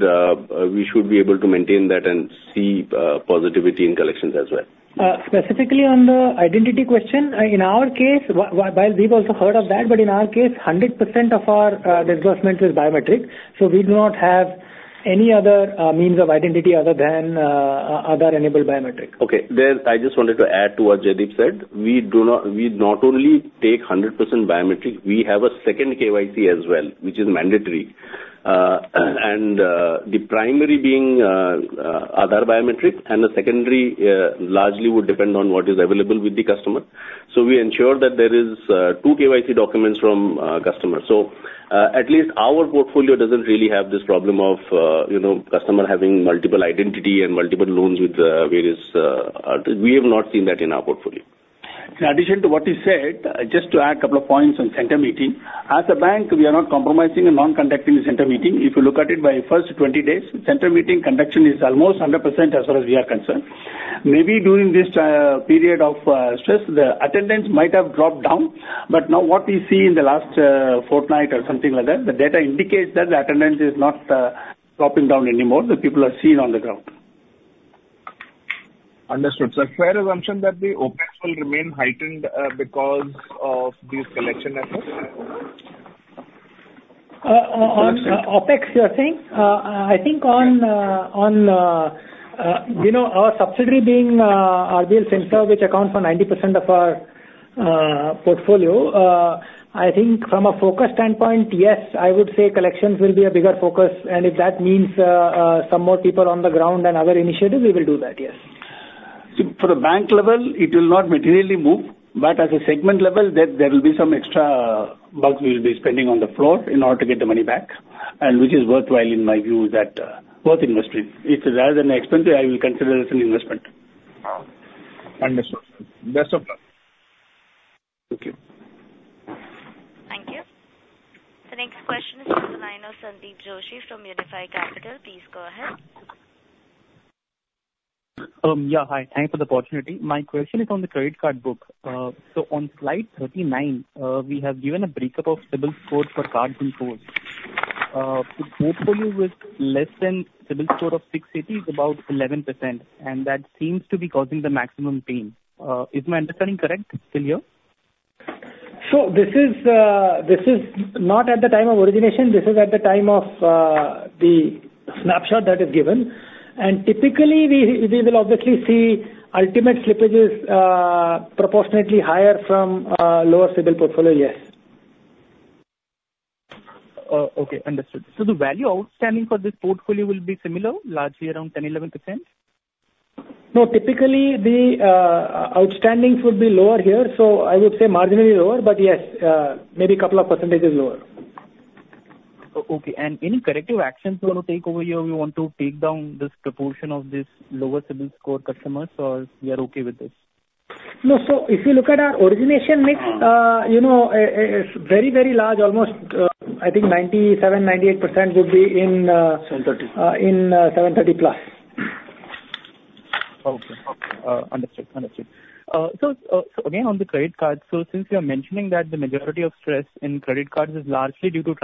we should be able to maintain that and see positivity in collections as well. Specifically on the identity question, in our case, while we've also heard of that, but in our case, 100% of our disbursement is biometric, so we do not have any other means of identity other than other enabled biometric. Okay. Then I just wanted to add to what Jaideep said. We not only take 100% biometric, we have a second KYC as well, which is mandatory. And, the primary being, other biometric, and the secondary, largely would depend on what is available with the customer. So we ensure that there is, two KYC documents from, customers. So, at least our portfolio doesn't really have this problem of, you know, customer having multiple identity and multiple loans with, various... We have not seen that in our portfolio. In addition to what he said, just to add a couple of points on center meeting. As a bank, we are not compromising on conducting the center meeting. If you look at it in the first twenty days, center meeting conduction is almost 100% as far as we are concerned. Maybe during this period of stress, the attendance might have dropped down, but now what we see in the last fortnight or something like that, the data indicates that the attendance is not dropping down anymore. The people are seen on the ground. Understood. So fair assumption that the OpEx will remain heightened, because of these collection efforts? On OpEx, you're saying? I think on, you know, our subsidiary being RBL FinServe Limited, which accounts for 90% of our portfolio, I think from a focus standpoint, yes, I would say collections will be a bigger focus, and if that means some more people on the ground and other initiatives, we will do that, yes. ... for a bank level, it will not materially move, but at a segment level, there will be some extra buck we will be spending on the floor in order to get the money back, and which is worthwhile in my view that, both industry. It's rather than expensive, I will consider it as an investment. Understood. Best of luck. Thank you. Thank you. The next question is from the line of Sandeep Joshi from Unifi Capital. Please go ahead. Yeah, hi. Thanks for the opportunity. My question is on the credit card book. So on slide 39, we have given a breakup of CIBIL score for cards in full. The portfolio with less than CIBIL score of 680 is about 11%, and that seems to be causing the maximum pain. Is my understanding correct till here? This is not at the time of origination. This is at the time of the snapshot that is given. And typically, we will obviously see ultimate slippages proportionately higher from lower CIBIL portfolio, yes. Okay, understood. So the value outstanding for this portfolio will be similar, largely around 10-11%? No, typically, the outstandings would be lower here, so I would say marginally lower, but yes, maybe a couple of percentages lower. Okay, and any corrective actions you want to take over here, we want to take down this proportion of this lower CIBIL score customers, or we are okay with this? No, so if you look at our origination mix- Uh. you know, it's very, very large, almost, I think 97%-98% would be in, Seven thirty. In seven thirty plus. Okay. Understood. So again, on the credit card, since you are mentioning that the majority of stress in credit cards is largely due to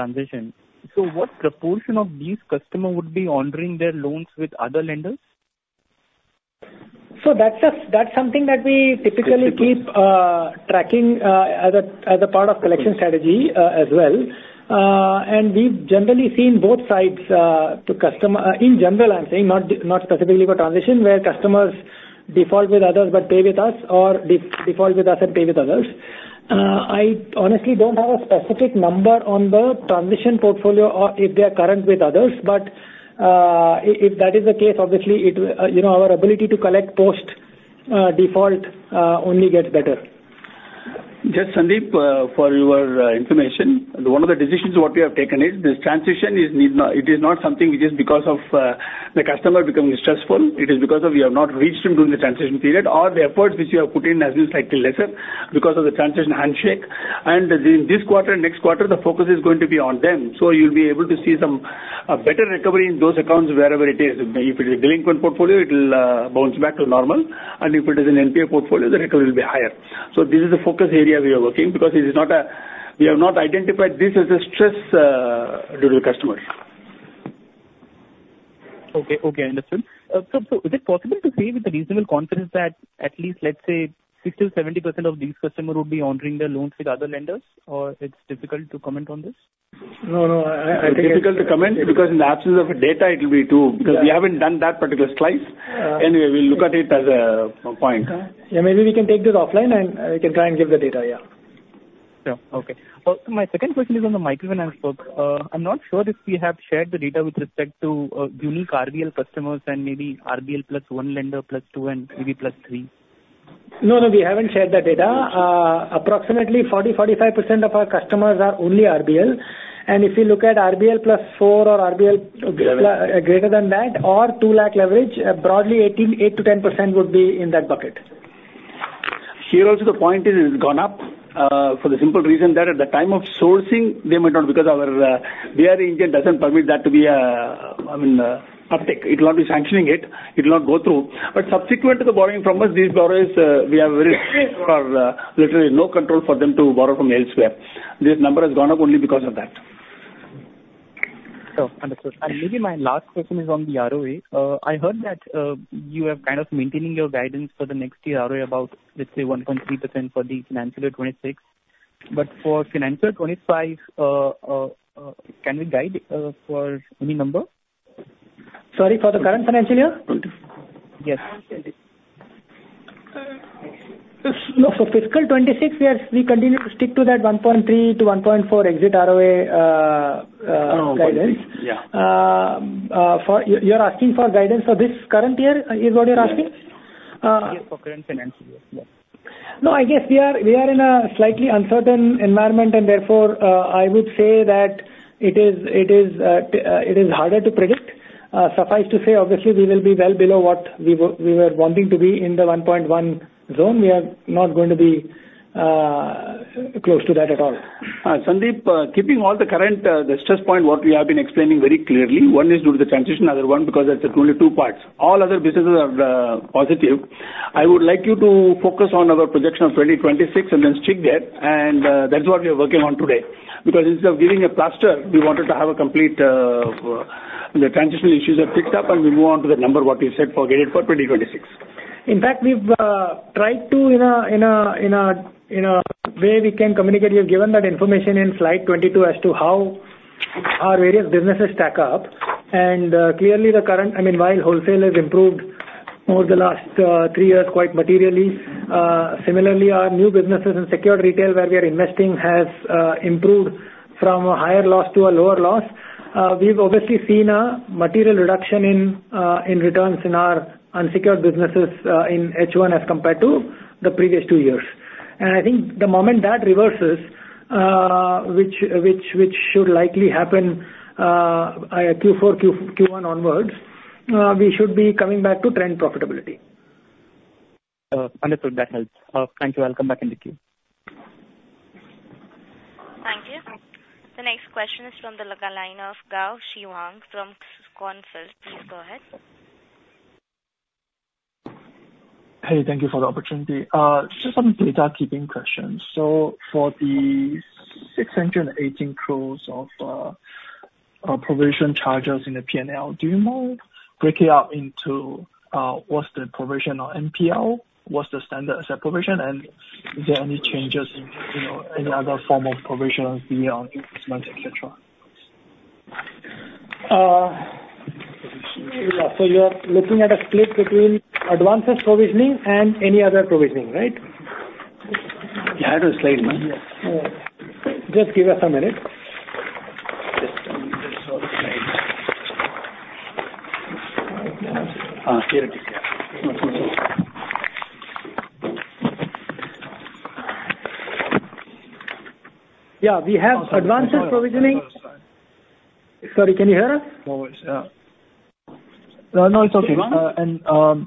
transactors, what proportion of these customers would be honoring their loans with other lenders? So that's something that we typically- Typically. keep tracking as a part of collection strategy- Okay. As well. And we've generally seen both sides to customer. In general, I'm saying, not specifically for transition, where customers default with others but pay with us, or default with us and pay with others. I honestly don't have a specific number on the transition portfolio or if they are current with others, but, if that is the case, obviously, it, you know, our ability to collect post default only gets better. Just, Sandeep, for your information, one of the decisions what we have taken is, this transition is need not. It is not something which is because of the customer becoming stressful. It is because of we have not reached him during the transition period, or the efforts which we have put in has been slightly lesser because of the transition handshake. And this quarter, next quarter, the focus is going to be on them. So you'll be able to see some, a better recovery in those accounts, wherever it is. If it is a delinquent portfolio, it'll bounce back to normal, and if it is an NPA portfolio, the recovery will be higher. So this is the focus area we are working, because it is not a. We have not identified this as a stress due to the customer. Okay. Okay, understood. So, is it possible to say with a reasonable confidence that at least, let's say, 60%-70% of these customers would be honoring their loans with other lenders, or it's difficult to comment on this? No, no, I think- It's difficult to comment, because in the absence of the data, it will be too- Yeah. because we haven't done that particular slice. Uh. Anyway, we'll look at it as a point. Yeah, maybe we can take this offline, and we can try and give the data, yeah. Yeah. Okay. My second question is on the microfinance book. I'm not sure if we have shared the data with respect to unique RBL customers and maybe RBL plus one lender, plus two, and maybe plus three. No, no, we haven't shared that data. Okay. Approximately 40-45% of our customers are only RBL, and if you look at RBL plus four or RBL- Okay. - greater than that, or two lakh average, broadly 18, 8%-10% would be in that bucket. Here also, the point is, it's gone up for the simple reason that at the time of sourcing, they might not, because our RBI doesn't permit that to be, I mean, uptick. It will not be sanctioning it. It will not go through. But subsequent to the borrowing from us, these borrowers, we have very little or literally no control for them to borrow from elsewhere. This number has gone up only because of that. Oh, understood. And maybe my last question is on the ROA. I heard that you are kind of maintaining your guidance for the next year ROA about, let's say, 1.3% for the financial year 2026. But for financial 2025, can we guide for any number? Sorry, for the current financial year? Yes. No, so fiscal 2026, we are, we continue to stick to that 1.3%-1.4% exit ROA guidance. Yeah. You're asking for guidance for this current year, is what you're asking? Yes. Uh- Yes, for current financial year. Yeah. No, I guess we are in a slightly uncertain environment, and therefore, I would say that it is harder to predict. Suffice to say, obviously, we will be well below what we were wanting to be in the one point one zone. We are not going to be close to that at all. Sandeep, keeping all the current the stress point what we have been explaining very clearly, one is due to the transition, other one because that's only two parts. All other businesses are positive. I would like you to focus on our projection of twenty twenty-six and then stick there, and that's what we are working on today. Because instead of giving a plaster, we wanted to have a complete the transitional issues are fixed up, and we move on to the number what we said for guided for twenty twenty-six. In fact, we've tried to, in a way we can communicate, we have given that information in slide 22 as to how our various businesses stack up. And, clearly, the current... I mean, while wholesale has improved over the last three years, quite materially, similarly, our new businesses in secured retail, where we are investing, has improved from a higher loss to a lower loss... We've obviously seen a material reduction in returns in our unsecured businesses, in H1 as compared to the previous two years. And I think the moment that reverses, which should likely happen, Q4, Q1 onwards, we should be coming back to trend profitability. Understood. That helps. Thank you. I'll come back in the queue. Thank you. The next question is from the line of Gaoyang Xiao from GIC. Please go ahead. Hey, thank you for the opportunity. Just some housekeeping questions. So for the 618 crore of provision charges in the P&L, do you know, break it out into what's the provision on NPL? What's the standard asset provision? And is there any changes in, you know, any other form of provision beyond instruments, et cetera? So, you are looking at a split between advances provisioning and any other provisioning, right? Yeah, I have the slide, man. Yes. Just give us a minute. Just show the slide. Yeah, we have advances provisioning. Sorry, can you hear us? Always. Yeah. No, it's okay.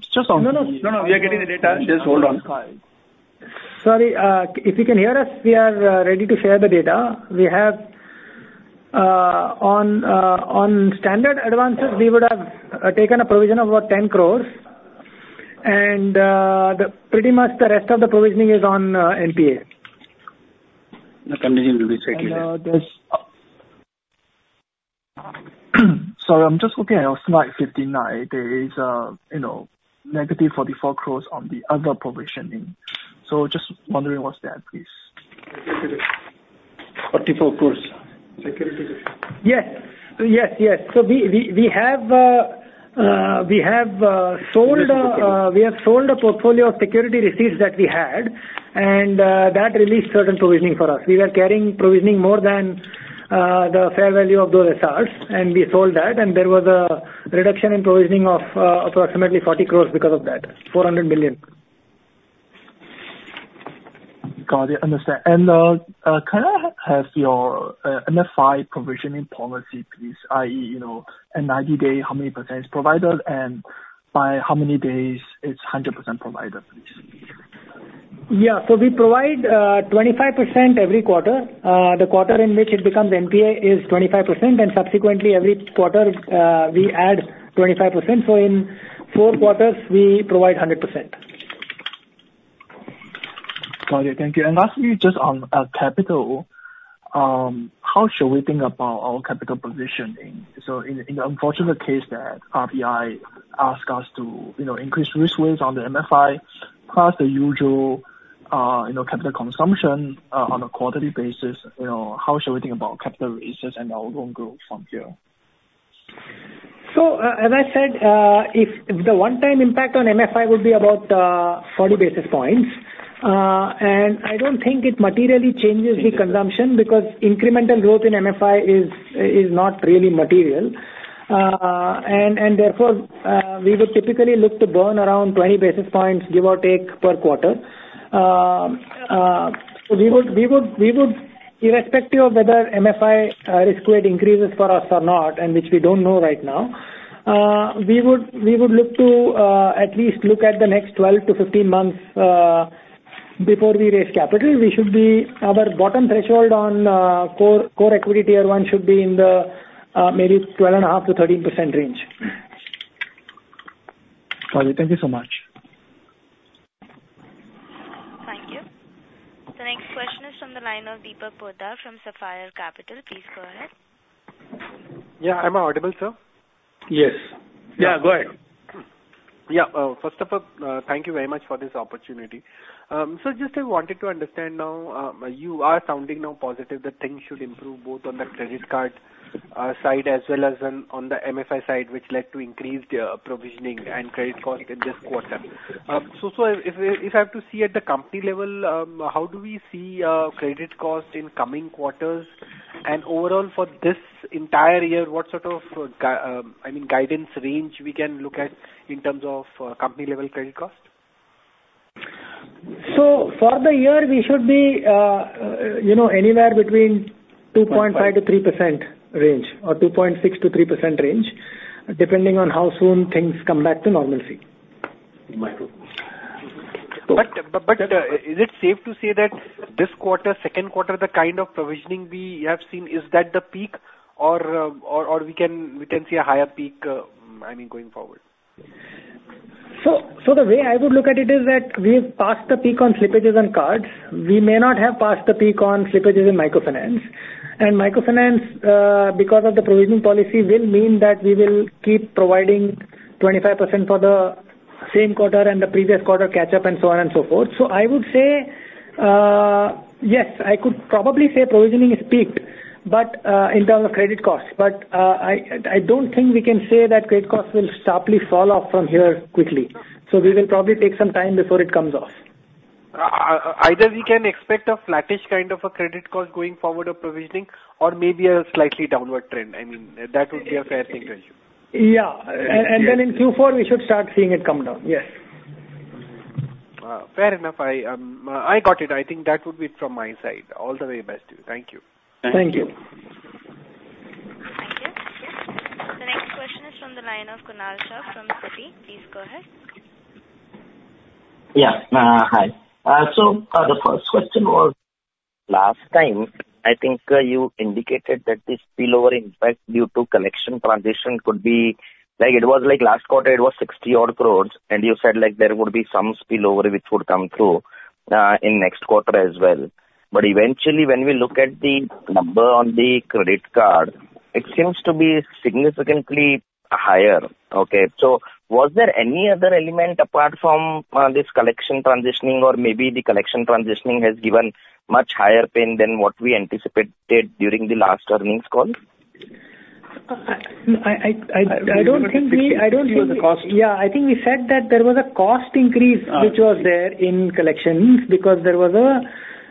Just on- No, no. No, no, we are getting the data. Just hold on. Sorry, if you can hear us, we are ready to share the data. We have on standard advances, we would have taken a provision of about 10 crores. Pretty much the rest of the provisioning is on NPA. The condition will be secondary. Sorry, I'm just looking at on slide fifty-nine. There is, you know, negative forty-four crores on the other provisioning. So just wondering what's that, please? Forty-four crores. Yes. Yes, yes. So we have sold a portfolio of security receipts that we had, and that released certain provisioning for us. We were carrying provisioning more than the fair value of those assets, and we sold that, and there was a reduction in provisioning of approximately 40 crores because of that, 400 million. Got it. Understand. And, can I have your MFI provisioning policy, please? i.e., you know, in 90 days, how many % is provided, and by how many days it's 100% provided, please? Yeah. So we provide 25% every quarter. The quarter in which it becomes NPA is 25%, and subsequently, every quarter, we add 25%. So in four quarters, we provide 100%. Got it. Thank you. And lastly, just on capital, how should we think about our capital positioning? So in the unfortunate case that RBI ask us to, you know, increase risk weights on the MFI, plus the usual, you know, capital consumption on a quarterly basis, you know, how should we think about capital raises and our loan growth from here? As I said, if the one-time impact on MFI would be about 40 basis points, and I don't think it materially changes the consumption, because incremental growth in MFI is not really material. Therefore, we would typically look to burn around 20 basis points, give or take, per quarter. We would irrespective of whether MFI risk weight increases for us or not, and which we don't know right now, we would look to at least look at the next 12-15 months before we raise capital. We should be... Our bottom threshold on Core Equity Tier 1 should be in the maybe 12.5-13% range. Got it. Thank you so much. Thank you. The next question is from the line of Deepak Poddar from Sapphire Capital. Please go ahead. Yeah. Am I audible, sir? Yes. Yeah, go ahead. Yeah. First of all, thank you very much for this opportunity. So just I wanted to understand now, you are sounding now positive that things should improve both on the credit card side, as well as on the MFI side, which led to increased provisioning and credit cost in this quarter. So if I have to see at the company level, how do we see credit cost in coming quarters? And overall, for this entire year, what sort of guidance range we can look at in terms of company-level credit cost? So for the year, we should be, you know, anywhere between 2.5%-3% range or 2.6%-3% range, depending on how soon things come back to normalcy. Microphone. Is it safe to say that this quarter, second quarter, the kind of provisioning we have seen, is that the peak or we can see a higher peak, I mean, going forward? So the way I would look at it is that we've passed the peak on slippages and cards. We may not have passed the peak on slippages in microfinance. And microfinance, because of the provisioning policy, will mean that we will keep providing 25% for the same quarter and the previous quarter catch up and so on and so forth. So I would say, yes, I could probably say provisioning is peaked, but in terms of credit costs, I don't think we can say that credit costs will sharply fall off from here quickly. So we will probably take some time before it comes off.... either we can expect a flattish kind of a credit cost going forward of provisioning, or maybe a slightly downward trend. I mean, that would be a fair thing to assume. Yeah. And then in Q4, we should start seeing it come down. Yes. Fair enough. I, I got it. I think that would be it from my side. All the way best to you. Thank you. Thank you. Thank you. Yes. The next question is from the line of Kunal Shah from Kotak. Please go ahead. Yeah. Hi. So, the first question was, last time, I think, you indicated that the spillover impact due to collection transition could be... Like, it was like last quarter, it was sixty odd crores, and you said, like, there would be some spillover which would come through, in next quarter as well. But eventually, when we look at the number on the credit card, it seems to be significantly higher, okay? So was there any other element apart from, this collection transitioning, or maybe the collection transitioning has given much higher pain than what we anticipated during the last earnings call? I don't think we- The cost. Yeah, I think we said that there was a cost increase- Ah. which was there in collections, because there was a,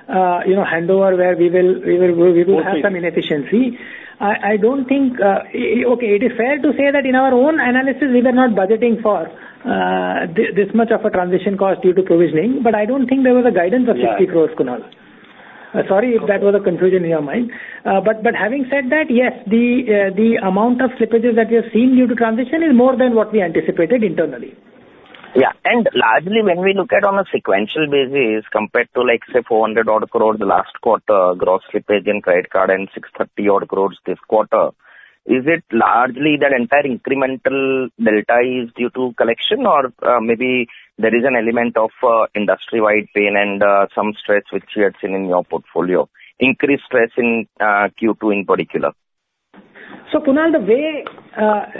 you know, handover where we will have some inefficiency. I don't think... Okay, it is fair to say that in our own analysis, we were not budgeting for this much of a transition cost due to provisioning, but I don't think there was a guidance of 60 crores, Kunal. Yeah. Sorry, if that was a confusion in your mind. But having said that, yes, the amount of slippages that we have seen due to transition is more than what we anticipated internally. Yeah. And largely, when we look at on a sequential basis, compared to, like, say, 400 odd crores last quarter, gross slippage in credit card and 630 odd crores this quarter, is it largely that entire incremental delta is due to collection? Or, maybe there is an element of, industry-wide pain and, some stress which you had seen in your portfolio, increased stress in, Q2 in particular? Kunal, the way...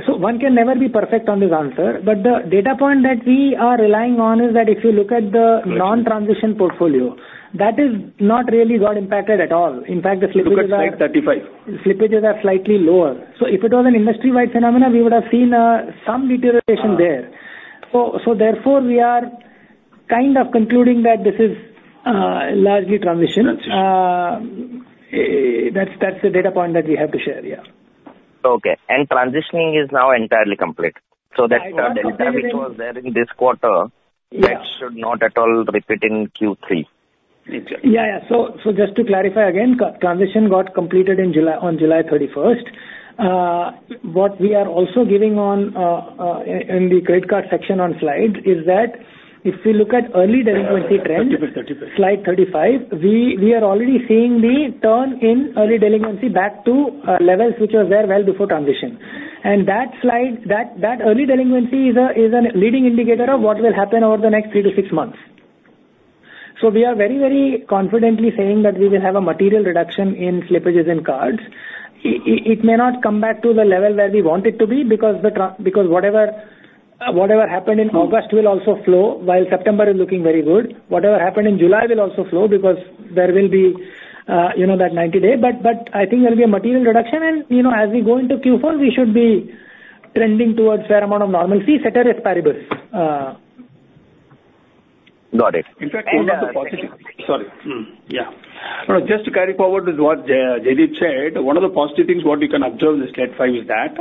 So one can never be perfect on this answer, but the data point that we are relying on is that if you look at the- Right. non-transition portfolio, that is not really got impacted at all. In fact, the slippages are- Look at slide thirty-five. Slippages are slightly lower. So if it was an industry-wide phenomenon, we would have seen, some deterioration there. Ah. So therefore, we are kind of concluding that this is largely transition. Got you. That's the data point that we have to share. Yeah. Okay. And transitioning is now entirely complete? I would say- So that delta which was there in this quarter- Yeah. -that should not at all repeat in Q3. Yeah, yeah. Just to clarify again, co-transition got completed in July, on July thirty-first. What we are also giving on in the credit card section on slide is that if we look at early delinquency trend- Slide thirty-five. Slide thirty-five, we are already seeing the turn in early delinquency back to levels which were there well before transition. And that slide, that early delinquency is a leading indicator of what will happen over the next three to six months. So we are very, very confidently saying that we will have a material reduction in slippages in cards. It may not come back to the level where we want it to be, because whatever happened in August will also flow, while September is looking very good. Whatever happened in July will also flow, because there will be, you know, that ninety day. But I think there will be a material reduction, and, you know, as we go into Q4, we should be trending towards fair amount of normalcy, ceteris paribus. Got it. In fact, one of the positive- Sorry. No, just to carry forward with what Jaideep said, one of the positive things what you can observe in the slide five is that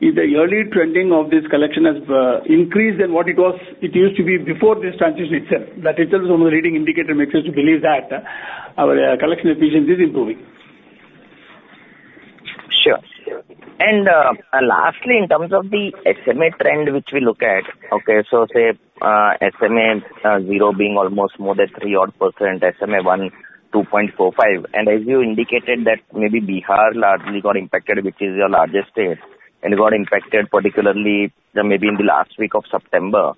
the early trending of this collection has increased than what it was, it used to be before this transition itself. That itself is one of the leading indicator makes us to believe that our collection efficiency is improving. Sure. Sure. And, lastly, in terms of the SMA trend, which we look at, okay, so say, SMA, zero being almost more than three odd %, SMA one, 2.45. And as you indicated, that maybe Bihar largely got impacted, which is your largest state, and got impacted particularly, maybe in the last week of September.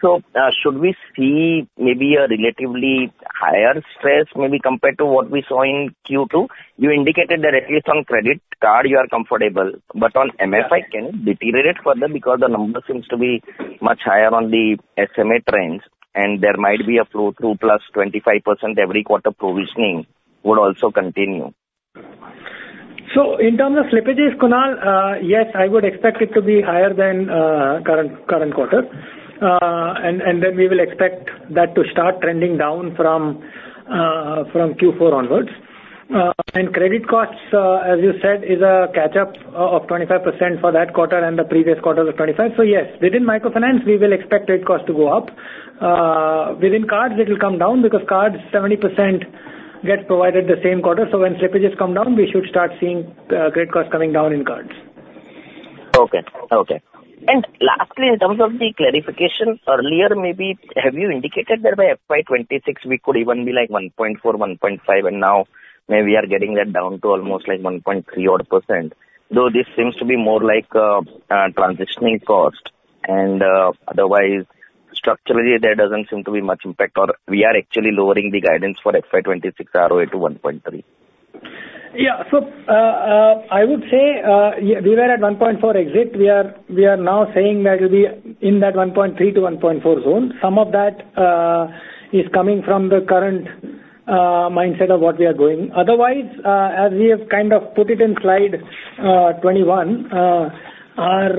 So, should we see maybe a relatively higher stress maybe compared to what we saw in Q2? You indicated that at least on credit card, you are comfortable, but on MFI, can it deteriorate further? Because the number seems to be much higher on the SMA trends, and there might be a flow-through plus 25% every quarter provisioning would also continue. So in terms of slippages, Kunal, yes, I would expect it to be higher than current quarter. And then we will expect that to start trending down from Q4 onwards. And credit costs, as you said, is a catch-up of 25% for that quarter and the previous quarter was 25. So yes, within microfinance, we will expect credit cost to go up. Within cards, it will come down because cards, 70% get provided the same quarter. So when slippages come down, we should start seeing credit costs coming down in cards. Okay. And lastly, in terms of the clarification, earlier, maybe, have you indicated that by FY 2026, we could even be like 1.4, 1.5, and now maybe we are getting that down to almost like 1.3 odd%? Though this seems to be more like a transitioning cost, and otherwise, structurally, there doesn't seem to be much impact, or we are actually lowering the guidance for FY 2026 ROA to 1.3. Yeah. So, I would say, we were at 1.4 exit. We are now saying that it'll be in that 1.3 to 1.4 zone. Some of that is coming from the current mindset of what we are doing. Otherwise, as we have kind of put it in slide 21, our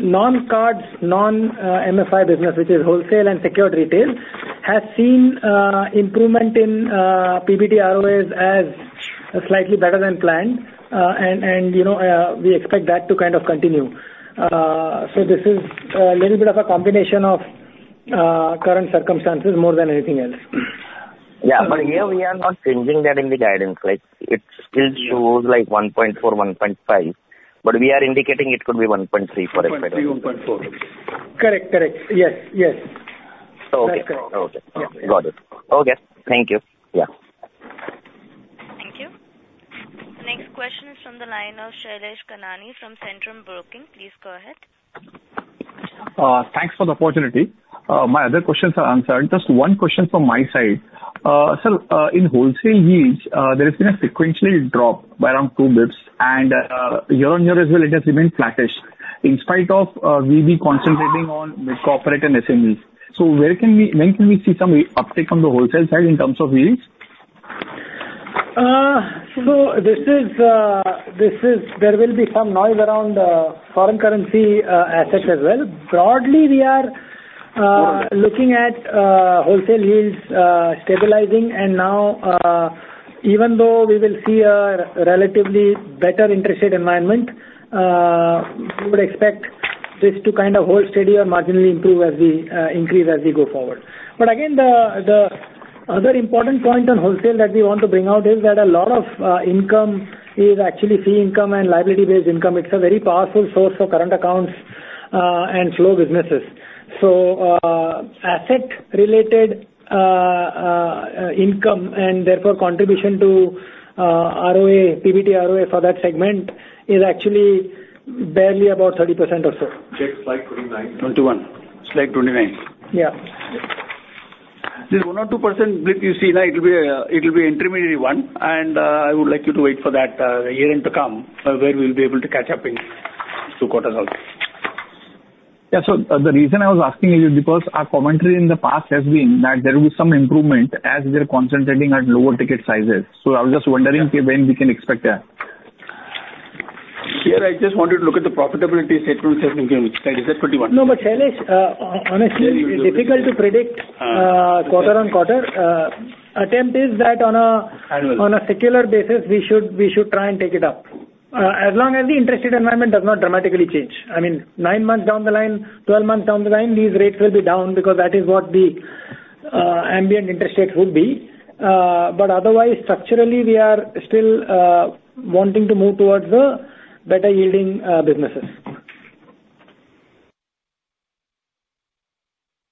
non-cards, non MFI business, which is wholesale and secured retail, has seen improvement in PBT ROEs slightly better than planned, and, you know, we expect that to kind of continue, so this is a little bit of a combination of current circumstances more than anything else. Yeah, but here we are not changing that in the guidance, like, it still shows like 1.4, 1.5, but we are indicating it could be 1.3 for it. One point three, one point four. Correct, correct. Yes, yes. Okay. Okay. Got it. Okay. Thank you. Yeah. Thank you. The next question is from the line of Shailesh Kanani from Centrum Broking. Please go ahead. Thanks for the opportunity. My other questions are answered. Just one question from my side. Sir, in wholesale yields, there has been a sequential drop by around two basis points, and, year-on-year as well, it has remained flattish, in spite of, we be concentrating on the corporate and SMEs. So where can we- when can we see some uptake from the wholesale side in terms of yields? So this is. There will be some noise around foreign currency assets as well. Broadly, we are Mm-hmm... looking at wholesale yields stabilizing. And now, even though we will see a relatively better interest rate environment, we would expect this to kind of hold steady or marginally improve as we increase as we go forward. But again, the other important point on wholesale that we want to bring out is that a lot of income is actually fee income and liability-based income. It's a very powerful source for current accounts and SME businesses. So, asset-related income and therefore contribution to ROA, PBT ROA for that segment is actually barely about 30% or so. Check slide twenty-nine, twenty-one. Slide twenty-nine. Yeah. This one or two percent bit you see now, it will be intermediary one, and I would like you to wait for that year end to come, where we will be able to catch up in two quarters also. Yeah. So the reason I was asking is because our commentary in the past has been that there will be some improvement as we are concentrating at lower ticket sizes. So I was just wondering when we can expect that? Here, I just want you to look at the profitability set to set, and again, which is at 21. No, but Shailesh, honestly, it's difficult to predict, quarter on quarter. Attempt is that on a- Annual. On a secular basis, we should try and take it up. As long as the interest rate environment does not dramatically change. I mean, nine months down the line, 12 months down the line, these rates will be down because that is what the ambient interest rates would be. But otherwise, structurally, we are still wanting to move towards the better yielding businesses.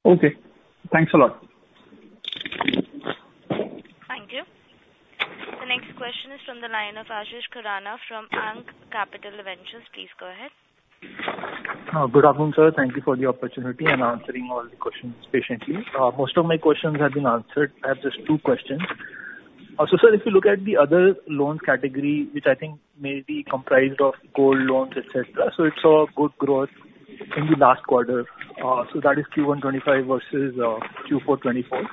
Okay. Thanks a lot. Thank you. The next question is from the line of Ashish Khurana from Ank Capital Ventures. Please go ahead. Good afternoon, sir. Thank you for the opportunity and answering all the questions patiently. Most of my questions have been answered. I have just two questions. So, sir, if you look at the other loans category, which I think may be comprised of gold loans, et cetera. So it's a good growth in the last quarter. So that is Q1 2025 versus Q4 2024. But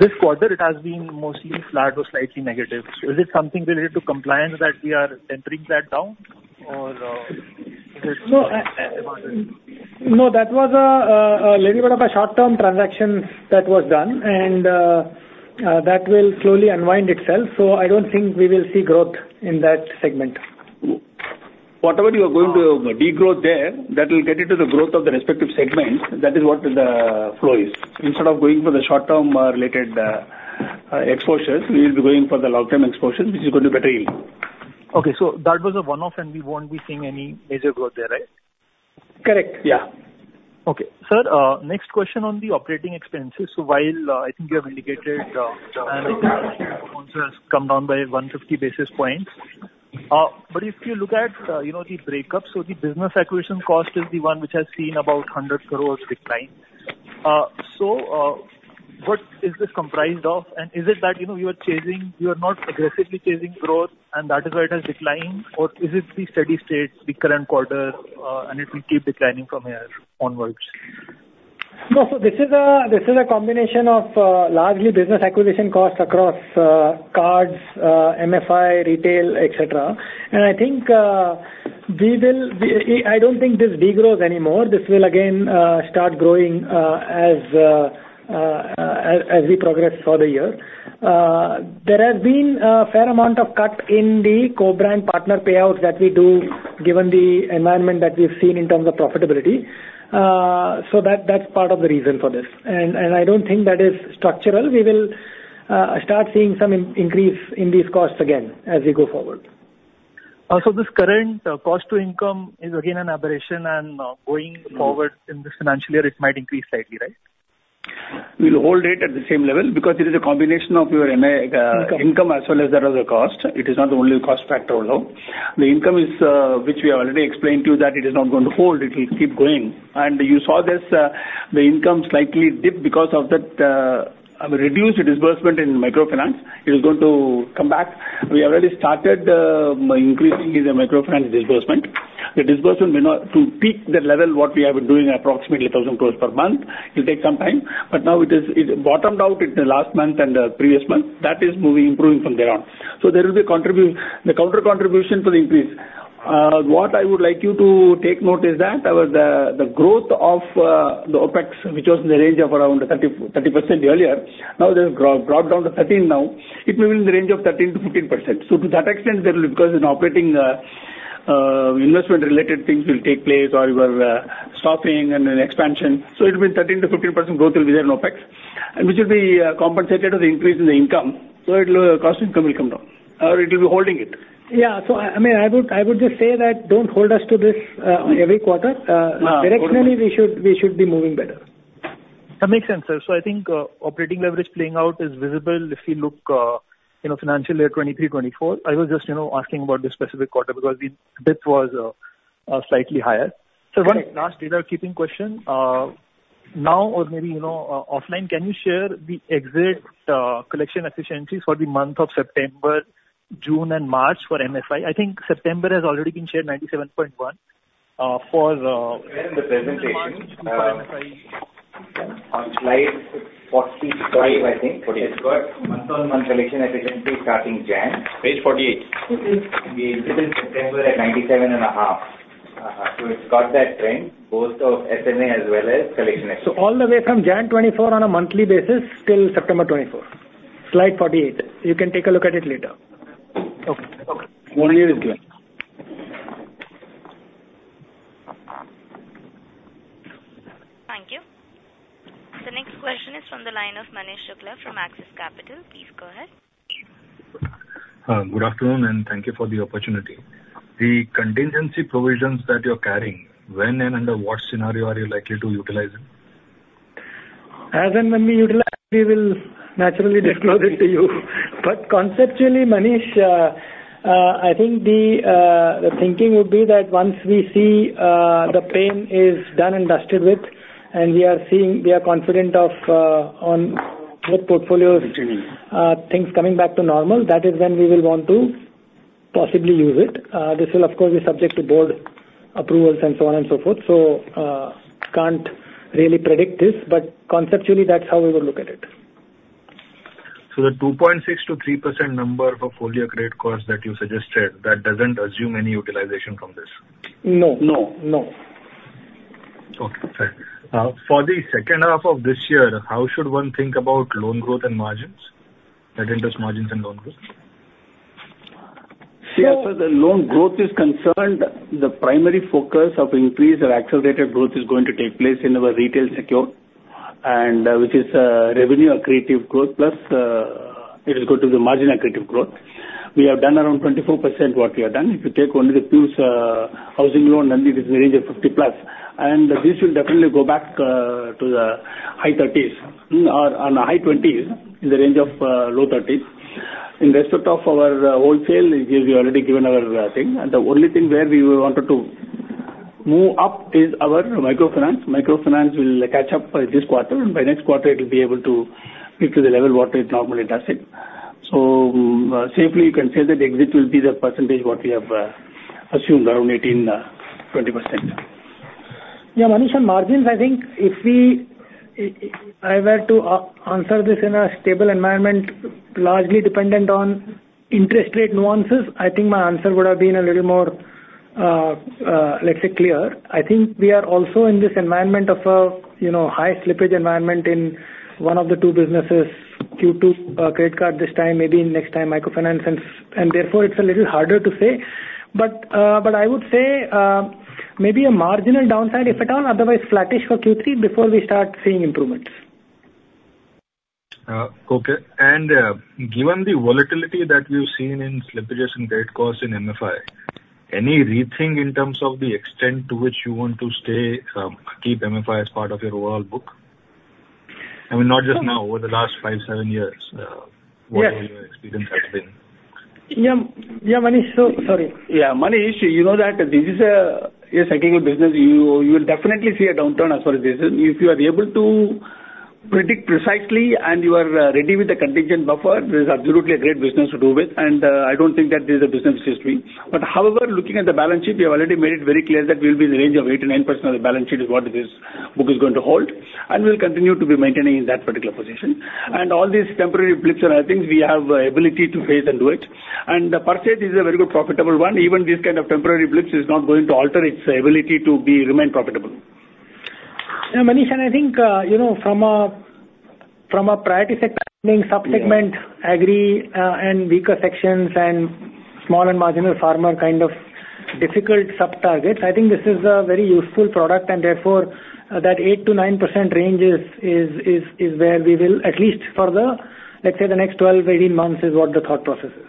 this quarter it has been mostly flat or slightly negative. Is it something related to compliance that we are tempering that down or, is it? No, that was a little bit of a short-term transaction that was done, and that will slowly unwind itself, so I don't think we will see growth in that segment. Whatever you are going to degrow there, that will get into the growth of the respective segments. That is what the flow is. Instead of going for the short-term related exposures, we will be going for the long-term exposure, which is going to be better yield. Okay, so that was a one-off, and we won't be seeing any major growth there, right? Correct. Yeah. Okay. Sir, next question on the operating expenses. So while, I think you have indicated, and also has come down by 150 basis points. But if you look at, you know, the breakups, so the business acquisition cost is the one which has seen about 100 crores decline. So, what is this comprised of? And is it that, you know, you are chasing... You are not aggressively chasing growth, and that is why it has declined, or is it the steady state, the current quarter, and it will keep declining from here onwards? No, so this is a combination of largely business acquisition costs across cards, MFI, retail, et cetera. And I think we will. I don't think this degrows anymore. This will again start growing as we progress for the year. There has been a fair amount of cut in the co-brand partner payouts that we do, given the environment that we've seen in terms of profitability. So that's part of the reason for this. And I don't think that is structural. We will start seeing some increase in these costs again as we go forward. So this current cost to income is again an aberration, and going forward in this financial year, it might increase slightly, right? We'll hold it at the same level because it is a combination of your MI. Income. -income, as well as that of the cost. It is not only the cost factor alone. The income is, which we have already explained to you, that it is not going to hold, it will keep going. And you saw this, the income slightly dipped because of that, reduced disbursement in microfinance. It is going to come back. We already started, increasing the microfinance disbursement. The disbursement may not to peak the level what we have been doing, approximately 1,000 crores per month. It will take some time, but now it is, it bottomed out in the last month and the previous month. That is moving, improving from there on. So there will be a contribution, the counter contribution to the increase. What I would like you to take note is that the growth of the OpEx, which was in the range of around 30% earlier, now they've dropped down to 13% now. It will be in the range of 13% to 15%. So to that extent, there will, because in operating investment related things will take place or your stopping and an expansion. So it will be 13% to 15% growth will be there in OpEx, and which will be compensated with the increase in the income, so it will cost income will come down, or it will be holding it. Yeah. So I mean, I would just say that don't hold us to this every quarter. Uh, quarter- Directionally, we should be moving better. That makes sense, sir. So I think, operating leverage playing out is visible if you look, you know, financial year 2023, 2024. I was just, you know, asking about this specific quarter because the bit was, slightly higher. Right. Sir, one last data keeping question. Now or maybe, you know, offline, can you share the exit collection efficiencies for the month of September, June, and March for MFI? I think September has already been shared, 97.1%, for. There in the presentation. For MFI. On slide forty- Forty-eight. I think it's got month-on-month collection efficiency starting January. Page forty-eight. Mm-hmm. We ended in September at 97.5%. So it's got that trend, both of SMA as well as collection effort. So all the way from January 2024 on a monthly basis till September 2024. Slide 48. You can take a look at it later. Okay. Okay. One year is clear. Thank you. The next question is from the line of Manish Shukla from Axis Capital. Please go ahead. Good afternoon, and thank you for the opportunity. The contingency provisions that you're carrying, when and under what scenario are you likely to utilize them? As and when we utilize, we will naturally disclose it to you. But conceptually, Manish, I think the thinking would be that once we see, the pain is done and dusted with, and we are seeing... We are confident of, on what portfolios- Mm-hmm. Things coming back to normal, that is when we will want to possibly use it. This will of course, be subject to board approvals and so on and so forth. So, can't really predict this, but conceptually, that's how we would look at it. So the 2.6%-3% number for full year credit cost that you suggested, that doesn't assume any utilization from this? No, no, no. Okay, fair. For the second half of this year, how should one think about loan growth and margins, that interest margins and loan growth? So- See, as far as the loan growth is concerned, the primary focus of increase or accelerated growth is going to take place in our retail secured, and, which is, revenue accretive growth, plus, it is going to be margin accretive growth. We have done around 24% what we have done. If you take only the pure housing loan, and it is in the range of 50+, and this will definitely go back to the high thirties or on the high twenties, in the range of low thirties. In respect of our wholesale, we, we've already given our thing, and the only thing where we wanted to move up is our microfinance. Microfinance will catch up by this quarter, and by next quarter, it will be able to get to the level what it normally does it. Safely you can say that exit will be the percentage what we have assumed, around 18%-20%. Yeah, Manish, on margins, I think if we, if I were to answer this in a stable environment, largely dependent on interest rate nuances, I think my answer would have been a little more, let's say, clear. I think we are also in this environment of a, you know, high slippage environment in one of the two businesses, Q2, credit card this time, maybe next time, microfinance, and, and therefore, it's a little harder to say. But, but I would say, maybe a marginal downside, if at all, otherwise flattish for Q3 before we start seeing improvements. Okay. And, given the volatility that we've seen in slippages and credit costs in MFI, any rethink in terms of the extent to which you want to stay, keep MFI as part of your overall book? I mean, not just now, over the last five, seven years. Yes. What your experience has been? Yeah. Yeah, Manish, so... Sorry. Yeah, Manish, you know that this is a cyclical business. You will definitely see a downturn as far as this is. If you are able to predict precisely, and you are ready with the contingent buffer, this is absolutely a great business to do with, and I don't think that this is a business risk to me. But however, looking at the balance sheet, we have already made it very clear that we will be in the range of 8%-9% of the balance sheet is what this book is going to hold, and we'll continue to be maintaining in that particular position. Mm-hmm. And all these temporary blips and other things, we have ability to face and do it. And per se, this is a very good profitable one. Even this kind of temporary blips is not going to alter its ability to be, remain profitable. Yeah, Manish, and I think, you know, from a priority sector segment, sub-segment- Yeah. Agri and weaker sections and small and marginal farmer kind of difficult sub targets, I think this is a very useful product, and therefore, that 8%-9% range is where we will at least for the, let's say, the next 12 to 18 months, is what the thought process is.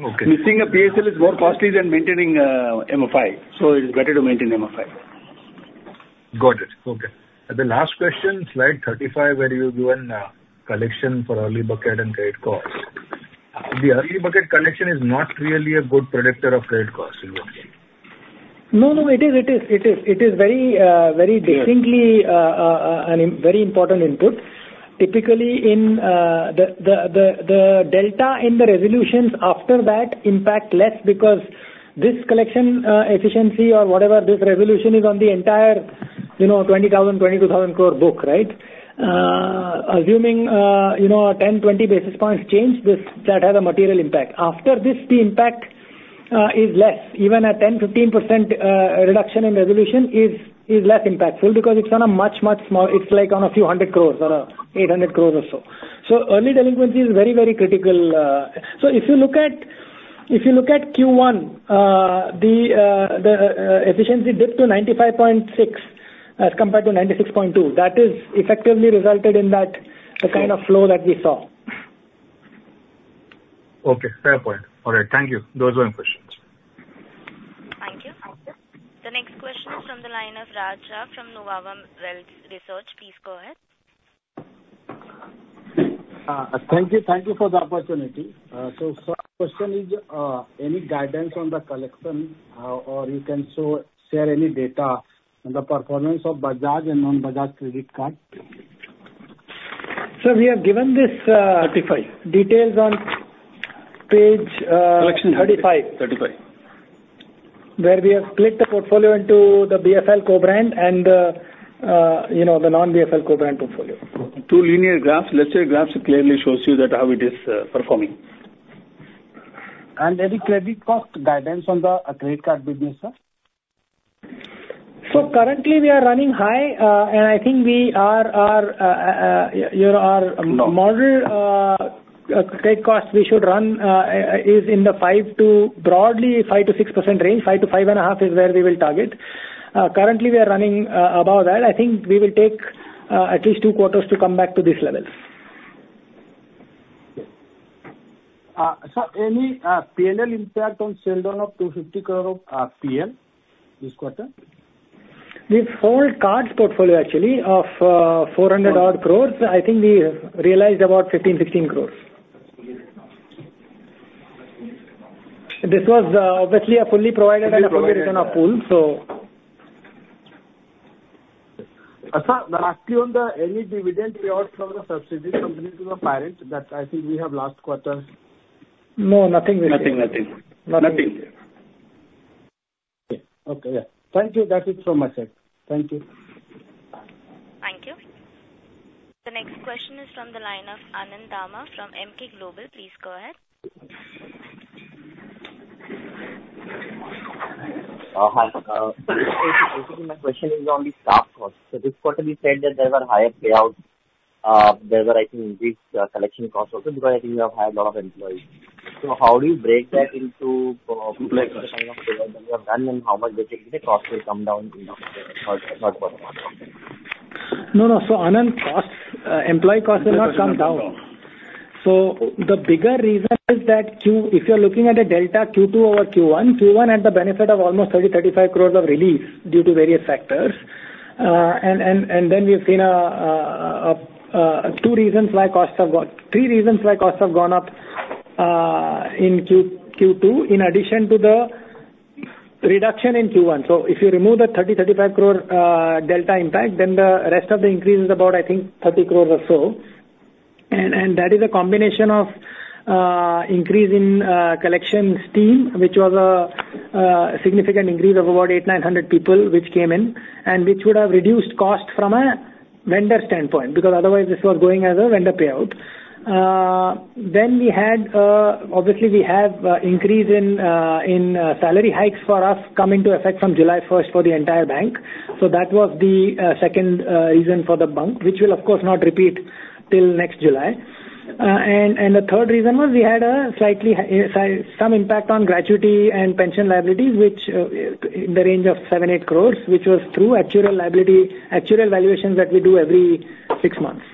Okay. Missing a PSL is more costly than maintaining MFI, so it's better to maintain MFI. Got it. Okay. And the last question, slide 35 where you've given, collection for early bucket and credit cost. The early bucket collection is not really a good predictor of credit cost, in your view? No, no, it is, it is, it is. It is very, very distinctly- Yes... a very important input. Typically, in the delta in the resolutions after that impact less because this collection efficiency or whatever, this resolution is on the entire- you know, 20,000, 22,000 crore book, right? Assuming, you know, a 10, 20 basis points change, this that has a material impact. After this, the impact is less. Even at 10, 15% reduction in resolution is less impactful because it's on a much smaller- it's like on a few hundred crores or eight hundred crores or so. So early delinquency is very, very critical. So if you look at Q1, the efficiency dipped to 95.6, as compared to 96.2. That is effectively resulted in that, the kind of flow that we saw. Okay, fair point. All right, thank you. Those were the questions. Thank you. The next question is from the line of Raj Jha from Nuvama Wealth Research. Please go ahead. Thank you. Thank you for the opportunity. So first question is, any guidance on the collection, or you can show, share any data on the performance of Bajaj and non-Bajaj credit card? Sir, we have given this. 35 Details on page, Collection. 35. 35.. Where we have split the portfolio into the BSL co-brand and, you know, the non-BSL co-brand portfolio. Two linear graphs, let's say graphs, clearly shows you that how it is performing. And any credit cost guidance on the credit card business, sir? Currently, we are running high, and I think we are, you know, our model credit cost we should run is in the five- to broadly five- to six% range. Five to five and a half is where we will target. Currently, we are running above that. I think we will take at least two quarters to come back to this level. Okay. So any P&L impact on sell down of INR 250 crore from this quarter? The whole cards portfolio actually of 400-odd crores, I think we realized about 15-16 crores. This was obviously a fully provided and accumulated on a pool, so. Sir, lastly, on any dividend payout from the subsidiary companies to the parent, that I think we have last quarter. No, nothing. Nothing, nothing. Nothing. Okay. Yeah. Thank you. That's it from my side. Thank you. Thank you. The next question is from the line of Anand Dama from Emkay Global. Please go ahead. Hi. My question is on the staff costs. So this quarter, you said that there were higher payouts. There were, I think, increased collection costs also, because I think you have hired a lot of employees. So how do you break that into the kind of payout that you have done, and how much do you think the costs will come down in the third quarter? No, no. So, Anand, costs, employee costs will not come down. So the bigger reason is that Q2. If you're looking at a delta Q2 over Q1, Q1 had the benefit of almost 30-35 crores of relief due to various factors. And then we've seen three reasons why costs have gone up in Q2, in addition to the reduction in Q1. So if you remove the 30-35 crore delta impact, then the rest of the increase is about, I think, 30 crores or so. And that is a combination of increase in collection team, which was a significant increase of about 800-900 people, which came in, and which would have reduced cost from a vendor standpoint, because otherwise this was going as a vendor payout. Then we had obviously we have increase in salary hikes for us coming to effect from July first for the entire bank. So that was the second reason for the bump, which will of course not repeat till next July. And the third reason was we had a slightly higher, some impact on gratuity and pension liabilities, which in the range of 7-8 crores, which was through actuarial liability, actuarial valuations that we do every six months.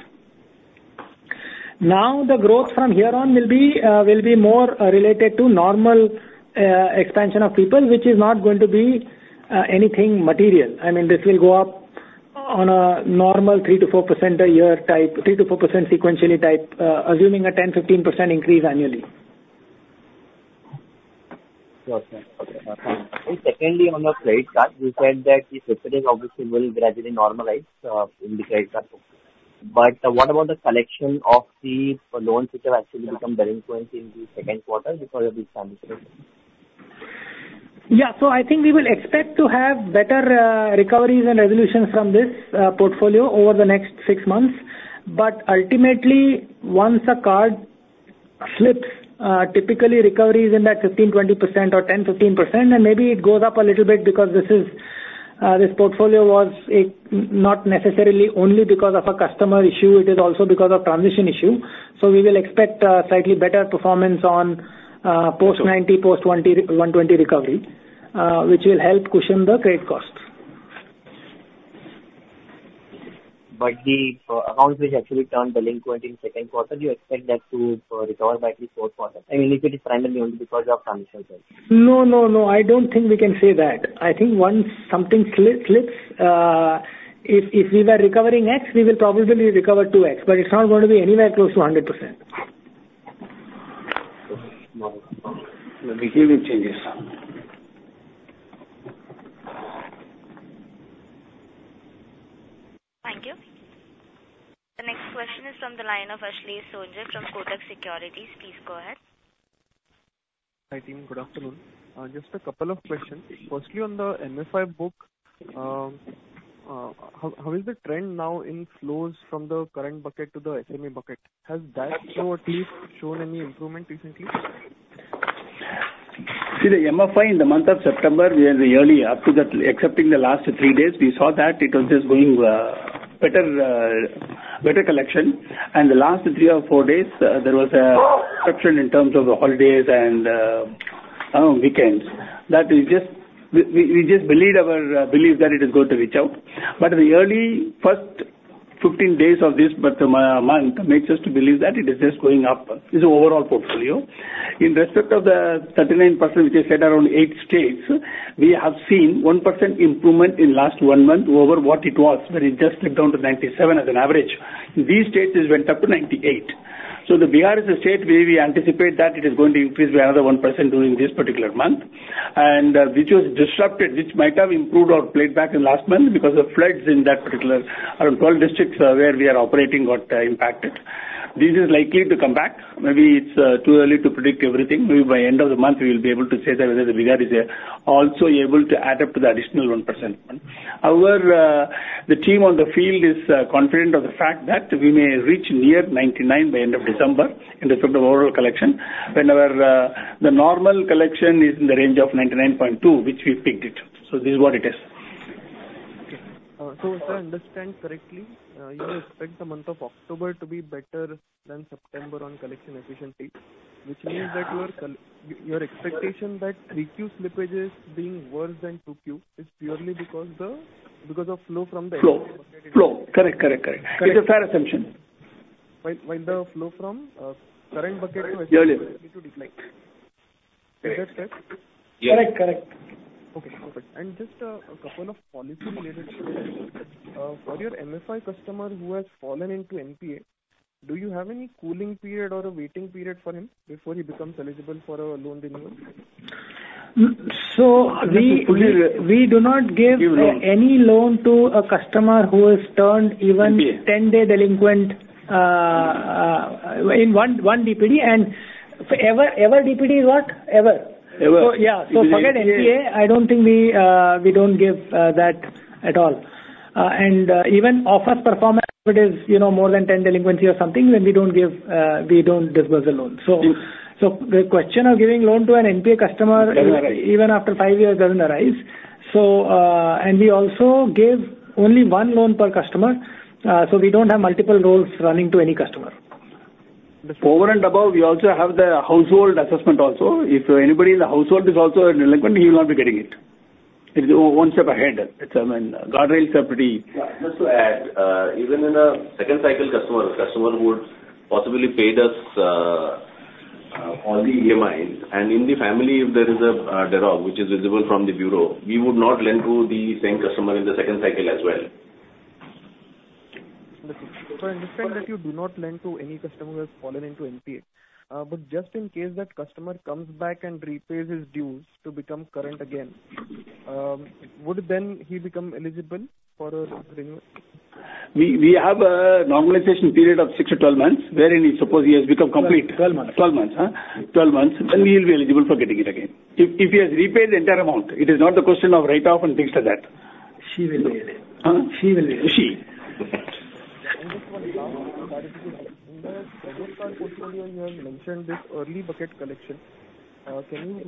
Now, the growth from here on will be more related to normal expansion of people, which is not going to be anything material. I mean, this will go up on a normal 3-4% a year type, 3-4% sequentially type, assuming a 10-15% increase annually. Okay. Secondly, on the credit card, you said that this obviously will gradually normalize in the credit card, but what about the collection of the loans which have actually become delinquency in the second quarter because of the transition? Yeah. So I think we will expect to have better recoveries and resolutions from this portfolio over the next six months. But ultimately, once a card slips, typically recovery is in that 15-20% or 10-15%, and maybe it goes up a little bit because this is this portfolio was it not necessarily only because of a customer issue; it is also because of transition issue. So we will expect a slightly better performance on post-ninety, post-twenty, one-twenty recovery, which will help cushion the credit cost. But the accounts which actually turned delinquent in second quarter, do you expect that to recover by at least fourth quarter? I mean, if it is primarily only because of transition costs. No, no, no, I don't think we can say that. I think once something slips, if we were recovering X, we will probably recover two X, but it's not going to be anywhere close to 100%. The behavior changes. Thank you. The next question is from the line of Ashlesh Sonje from Kotak Securities. Please go ahead.... Hi, team. Good afternoon. Just a couple of questions. Firstly, on the MFI book, how is the trend now in flows from the current bucket to the SME bucket? Has that flow at least shown any improvement recently? See, the MFI, in the month of September, we are the early up to that, excepting the last three days, we saw that it was just going better collection. And the last three or four days, there was a disruption in terms of the holidays and, I don't know, weekends. That is just, we just believed our belief that it is going to reach out. But the early first 15 days of this month makes us to believe that it is just going up. This is overall portfolio. In respect of the 39%, which is set around eight states, we have seen 1% improvement in last one month over what it was, where it just slipped down to 97 as an average. In these states, it went up to 98. So Bihar is a state where we anticipate that it is going to increase by another 1% during this particular month. And which was disrupted, which might have improved or played back in last month because of floods in that particular area. Around 12 districts where we are operating got impacted. This is likely to come back. Maybe it's too early to predict everything. Maybe by end of the month, we will be able to say that whether Bihar is also able to add up to the additional 1%. However, the team on the field is confident of the fact that we may reach near 99 by end of December, in respect of overall collection, whenever the normal collection is in the range of 99.2, which we've picked it. So this is what it is. Okay. So if I understand correctly, you expect the month of October to be better than September on collection efficiency, which means that your expectation that three Q slippages being worse than two Q is purely because the... because of flow from the- Flow. Correct. It's a fair assumption. While the flow from current bucket to- Early decline. Is that correct? Yeah. Correct, correct. Okay, perfect. And just, a couple of policy related questions. For your MFI customer who has fallen into NPA, do you have any cooling period or a waiting period for him before he becomes eligible for a loan renewal? So we do not give any loan to a customer who has turned even- NPA 10-day delinquent in one DPD, and for ever DPD is what? Ever. Ever. So, yeah. So forget NPA. I don't think we, we don't give that at all, and even offers performance, if it is, you know, more than 10 delinquency or something, then we don't give, we don't disburse the loan, so the question of giving loan to an NPA customer- Doesn't arise... even after five years, doesn't arise. So, and we also give only one loan per customer, so we don't have multiple loans running to any customer. Over and above, we also have the household assessment also. If anybody in the household is also in delinquency, he will not be getting it. It's one step ahead. It's, I mean, guardrails are pretty- Yeah, just to add, even in a second cycle customer, a customer who possibly paid us all the EMIs, and in the family, if there is a default, which is visible from the bureau, we would not lend to the same customer in the second cycle as well. So I understand that you do not lend to any customer who has fallen into NPA. But just in case that customer comes back and repays his dues to become current again, would then he become eligible for a renewal? We have a normalization period of six to 12 months, wherein he suppose he has become complete- Twelve, twelve months. Twelve months. Twelve months, then he will be eligible for getting it again. If he has repaid the entire amount, it is not the question of write-off and things like that. She will pay it. Huh? She will pay it. She. And just one last one. In the credit card portfolio, you have mentioned this early bucket collection. Can you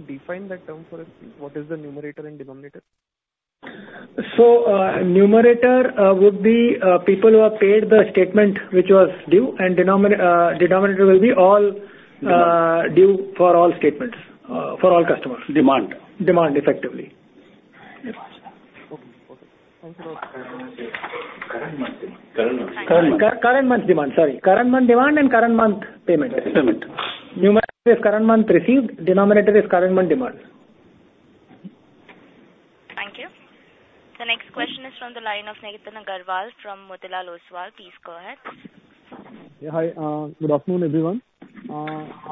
define that term for us, please? What is the numerator and denominator? Numerator would be people who have paid the statement which was due, and denominator will be all due for all statements for all customers. Demand. Demand, effectively. Okay. Okay. Thank you. Current month, current month. Current month, current month demand, sorry. Current month demand and current month payment. Payment. Numerator is current month received, denominator is current month demand. Thank you. The next question is from the line of Nitin Aggarwal from Motilal Oswal. Please go ahead. Yeah, hi. Good afternoon, everyone.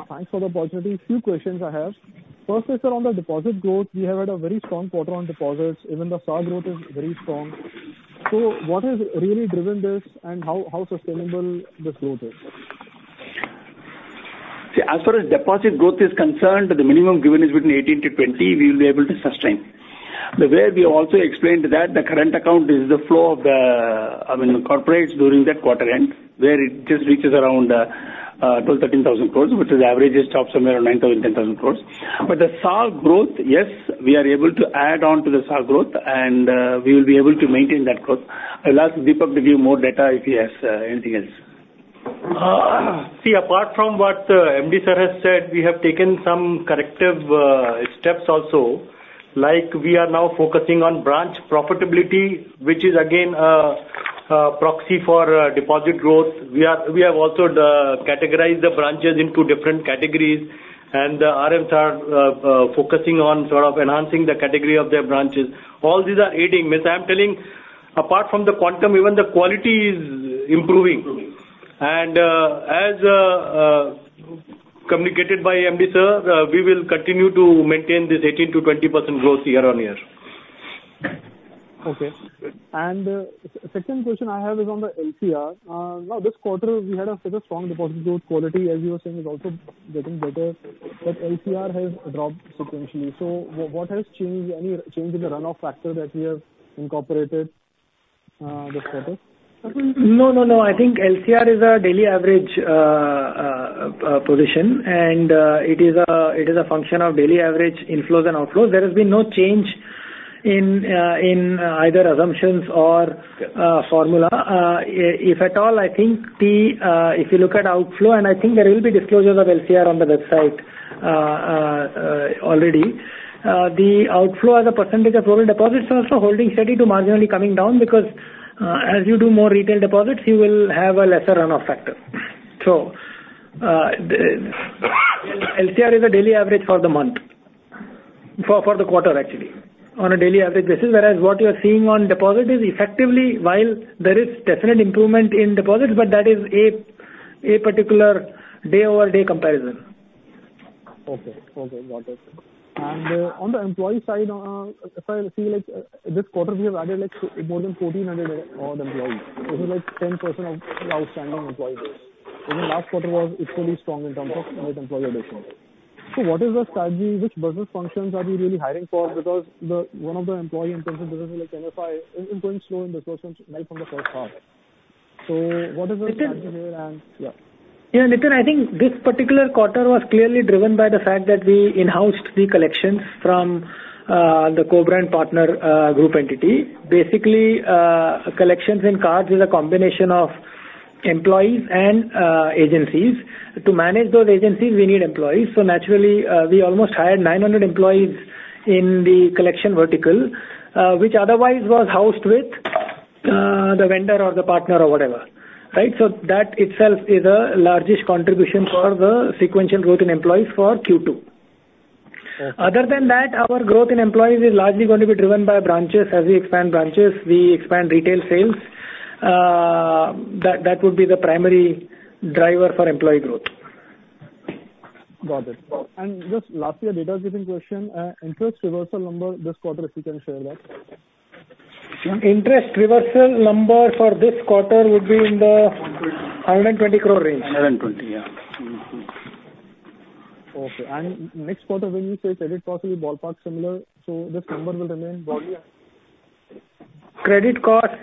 Thanks for the opportunity. A few questions I have. First is around the deposit growth. We have had a very strong quarter on deposits. Even the SA growth is very strong. So what has really driven this, and how sustainable this growth is? See, as far as deposit growth is concerned, the minimum given is between 18 to 20, we will be able to sustain. The way we also explained that the current account is the flow of the, I mean, the corporates during that quarter end, where it just reaches around, 12-13 thousand crores, which is averages top somewhere around 9 thousand, 10 thousand crores. But the SA growth, yes, we are able to add on to the SA growth, and, we will be able to maintain that growth. I'll ask Deepak to give you more data if he has, anything else. See, apart from what MD sir has said, we have taken some corrective steps also, like we are now focusing on branch profitability, which is again a proxy for deposit growth. We have also categorized the branches into different categories, and RMs are focusing on sort of enhancing the category of their branches. All these are aiding. As I am telling, apart from the quantum, even the quality is improving, and as communicated by MD sir, we will continue to maintain this 18%-20% growth year on year.... Okay. And, second question I have is on the LCR. Now, this quarter, we had a fairly strong deposit growth. Quality, as you were saying, is also getting better, but LCR has dropped sequentially. So what has changed? Any change in the runoff factor that we have incorporated, this quarter? No, no, no. I think LCR is a daily average position, and it is a function of daily average inflows and outflows. There has been no change in either assumptions or formula. If at all, I think if you look at outflow, and I think there will be disclosures of LCR on the website already. The outflow as a percentage of total deposits are also holding steady to marginally coming down because as you do more retail deposits, you will have a lesser runoff factor. So, the LCR is a daily average for the month, for the quarter, actually, on a daily average basis. Whereas what you are seeing on deposits is effectively while there is definite improvement in deposits, but that is a particular day-over-day comparison. Okay. Okay, got it. And, on the employee side, if I see, like, this quarter, we have added, like, more than 1,400 odd employees. This is like 10% of the outstanding employee base. Even last quarter was equally strong in terms of net employee addition. So what is the strategy? Which business functions are we really hiring for? Because one of the employee intensive business, like MFI, is improving slow in disbursements right from the first half. So what is the strategy here? And, yeah. Yeah, Nitin, I think this particular quarter was clearly driven by the fact that we in-housed the collections from, the co-brand partner, group entity. Basically, collections and cards is a combination of employees and, agencies. To manage those agencies, we need employees, so naturally, we almost hired nine hundred employees in the collection vertical, which otherwise was housed with, the vendor or the partner or whatever, right? So that itself is a largest contribution for the sequential growth in employees for Q2. Okay. Other than that, our growth in employees is largely going to be driven by branches. As we expand branches, we expand retail sales. That would be the primary driver for employee growth. Got it. And just lastly, a data-driven question, interest reversal number this quarter, if you can share that. Interest reversal number for this quarter would be in the 120 crore range. Hundred and twenty, yeah. Mm-hmm. Okay, and next quarter, when you say credit cost will be ballpark similar, so this number will remain broadly? Credit cost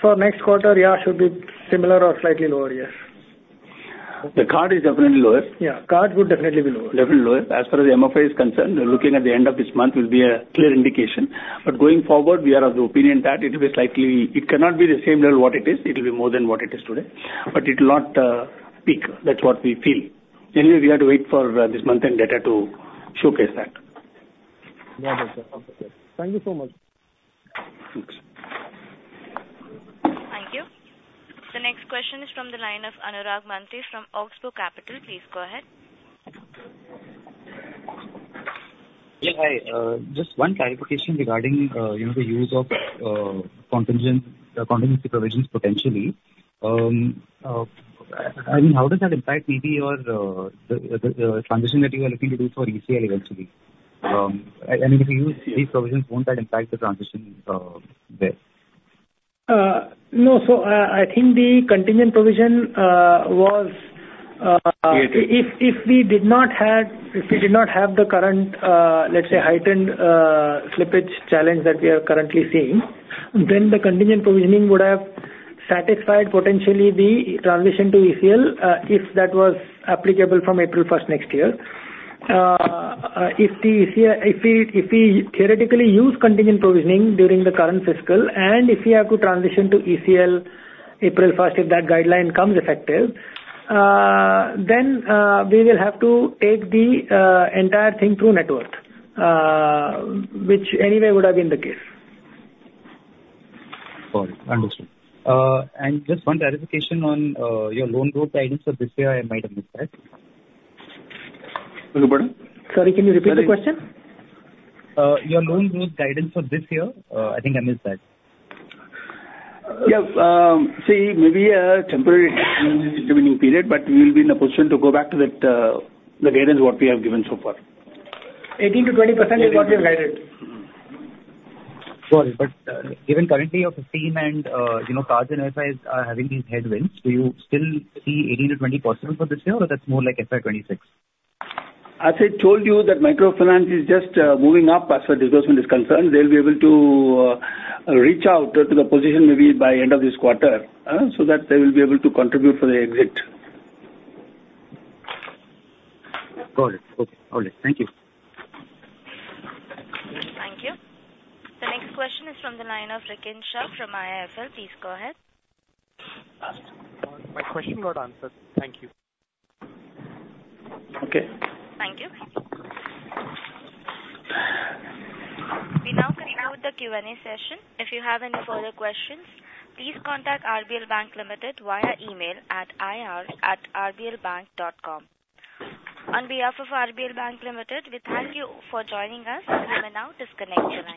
for next quarter, yeah, should be similar or slightly lower, yes. The card is definitely lower. Yeah, card would definitely be lower. Definitely lower. As far as the MFI is concerned, looking at the end of this month will be a clear indication. But going forward, we are of the opinion that it will be slightly... It cannot be the same level what it is. It will be more than what it is today, but it will not, peak. That's what we feel. Anyway, we have to wait for, this month-end data to showcase that. Got it. Okay. Thank you so much. Thanks. Thank you. The next question is from the line of Anurag Mantry from Oxbow Capital. Please go ahead. Yeah, hi. Just one clarification regarding, you know, the use of, contingent, contingency provisions potentially. I mean, how does that impact maybe your, the transition that you are looking to do for ECL eventually? I mean, if you use these provisions, won't that impact the transition, there? No. I think the contingent provision was- Created. If we did not have the current, let's say, heightened slippage challenge that we are currently seeing, then the contingent provisioning would have satisfied potentially the transition to ECL, if that was applicable from April first next year. If we theoretically use contingent provisioning during the current fiscal, and if we have to transition to ECL April first, if that guideline becomes effective, then we will have to take the entire thing through net worth, which anyway would have been the case. Got it. Understood, and just one clarification on your loan growth guidance for this year. I might have missed that. Sorry, pardon? Sorry, can you repeat the question? Your loan growth guidance for this year, I think I missed that? Yeah, see, maybe a temporary period, but we will be in a position to go back to that, the guidance what we have given so far. 18-20% is what we have guided. Mm-hmm. Got it. But, given currently your 15 and, you know, cards and MFIs are having these headwinds, do you still see 18-20 possible for this year, or that's more like FY 2026? As I told you, that microfinance is just moving up as far as disbursement is concerned. They'll be able to reach out to the position maybe by end of this quarter, so that they will be able to contribute for the exit. Got it. Okay. Got it. Thank you. Thank you. The next question is from the line of Rakin Shah from IIFL. Please go ahead. My question got answered. Thank you. Okay. Thank you. We now conclude the Q&A session. If you have any further questions, please contact RBL Bank Limited via email at ir@rblbank.com. On behalf of RBL Bank Limited, we thank you for joining us. You may now disconnect your lines.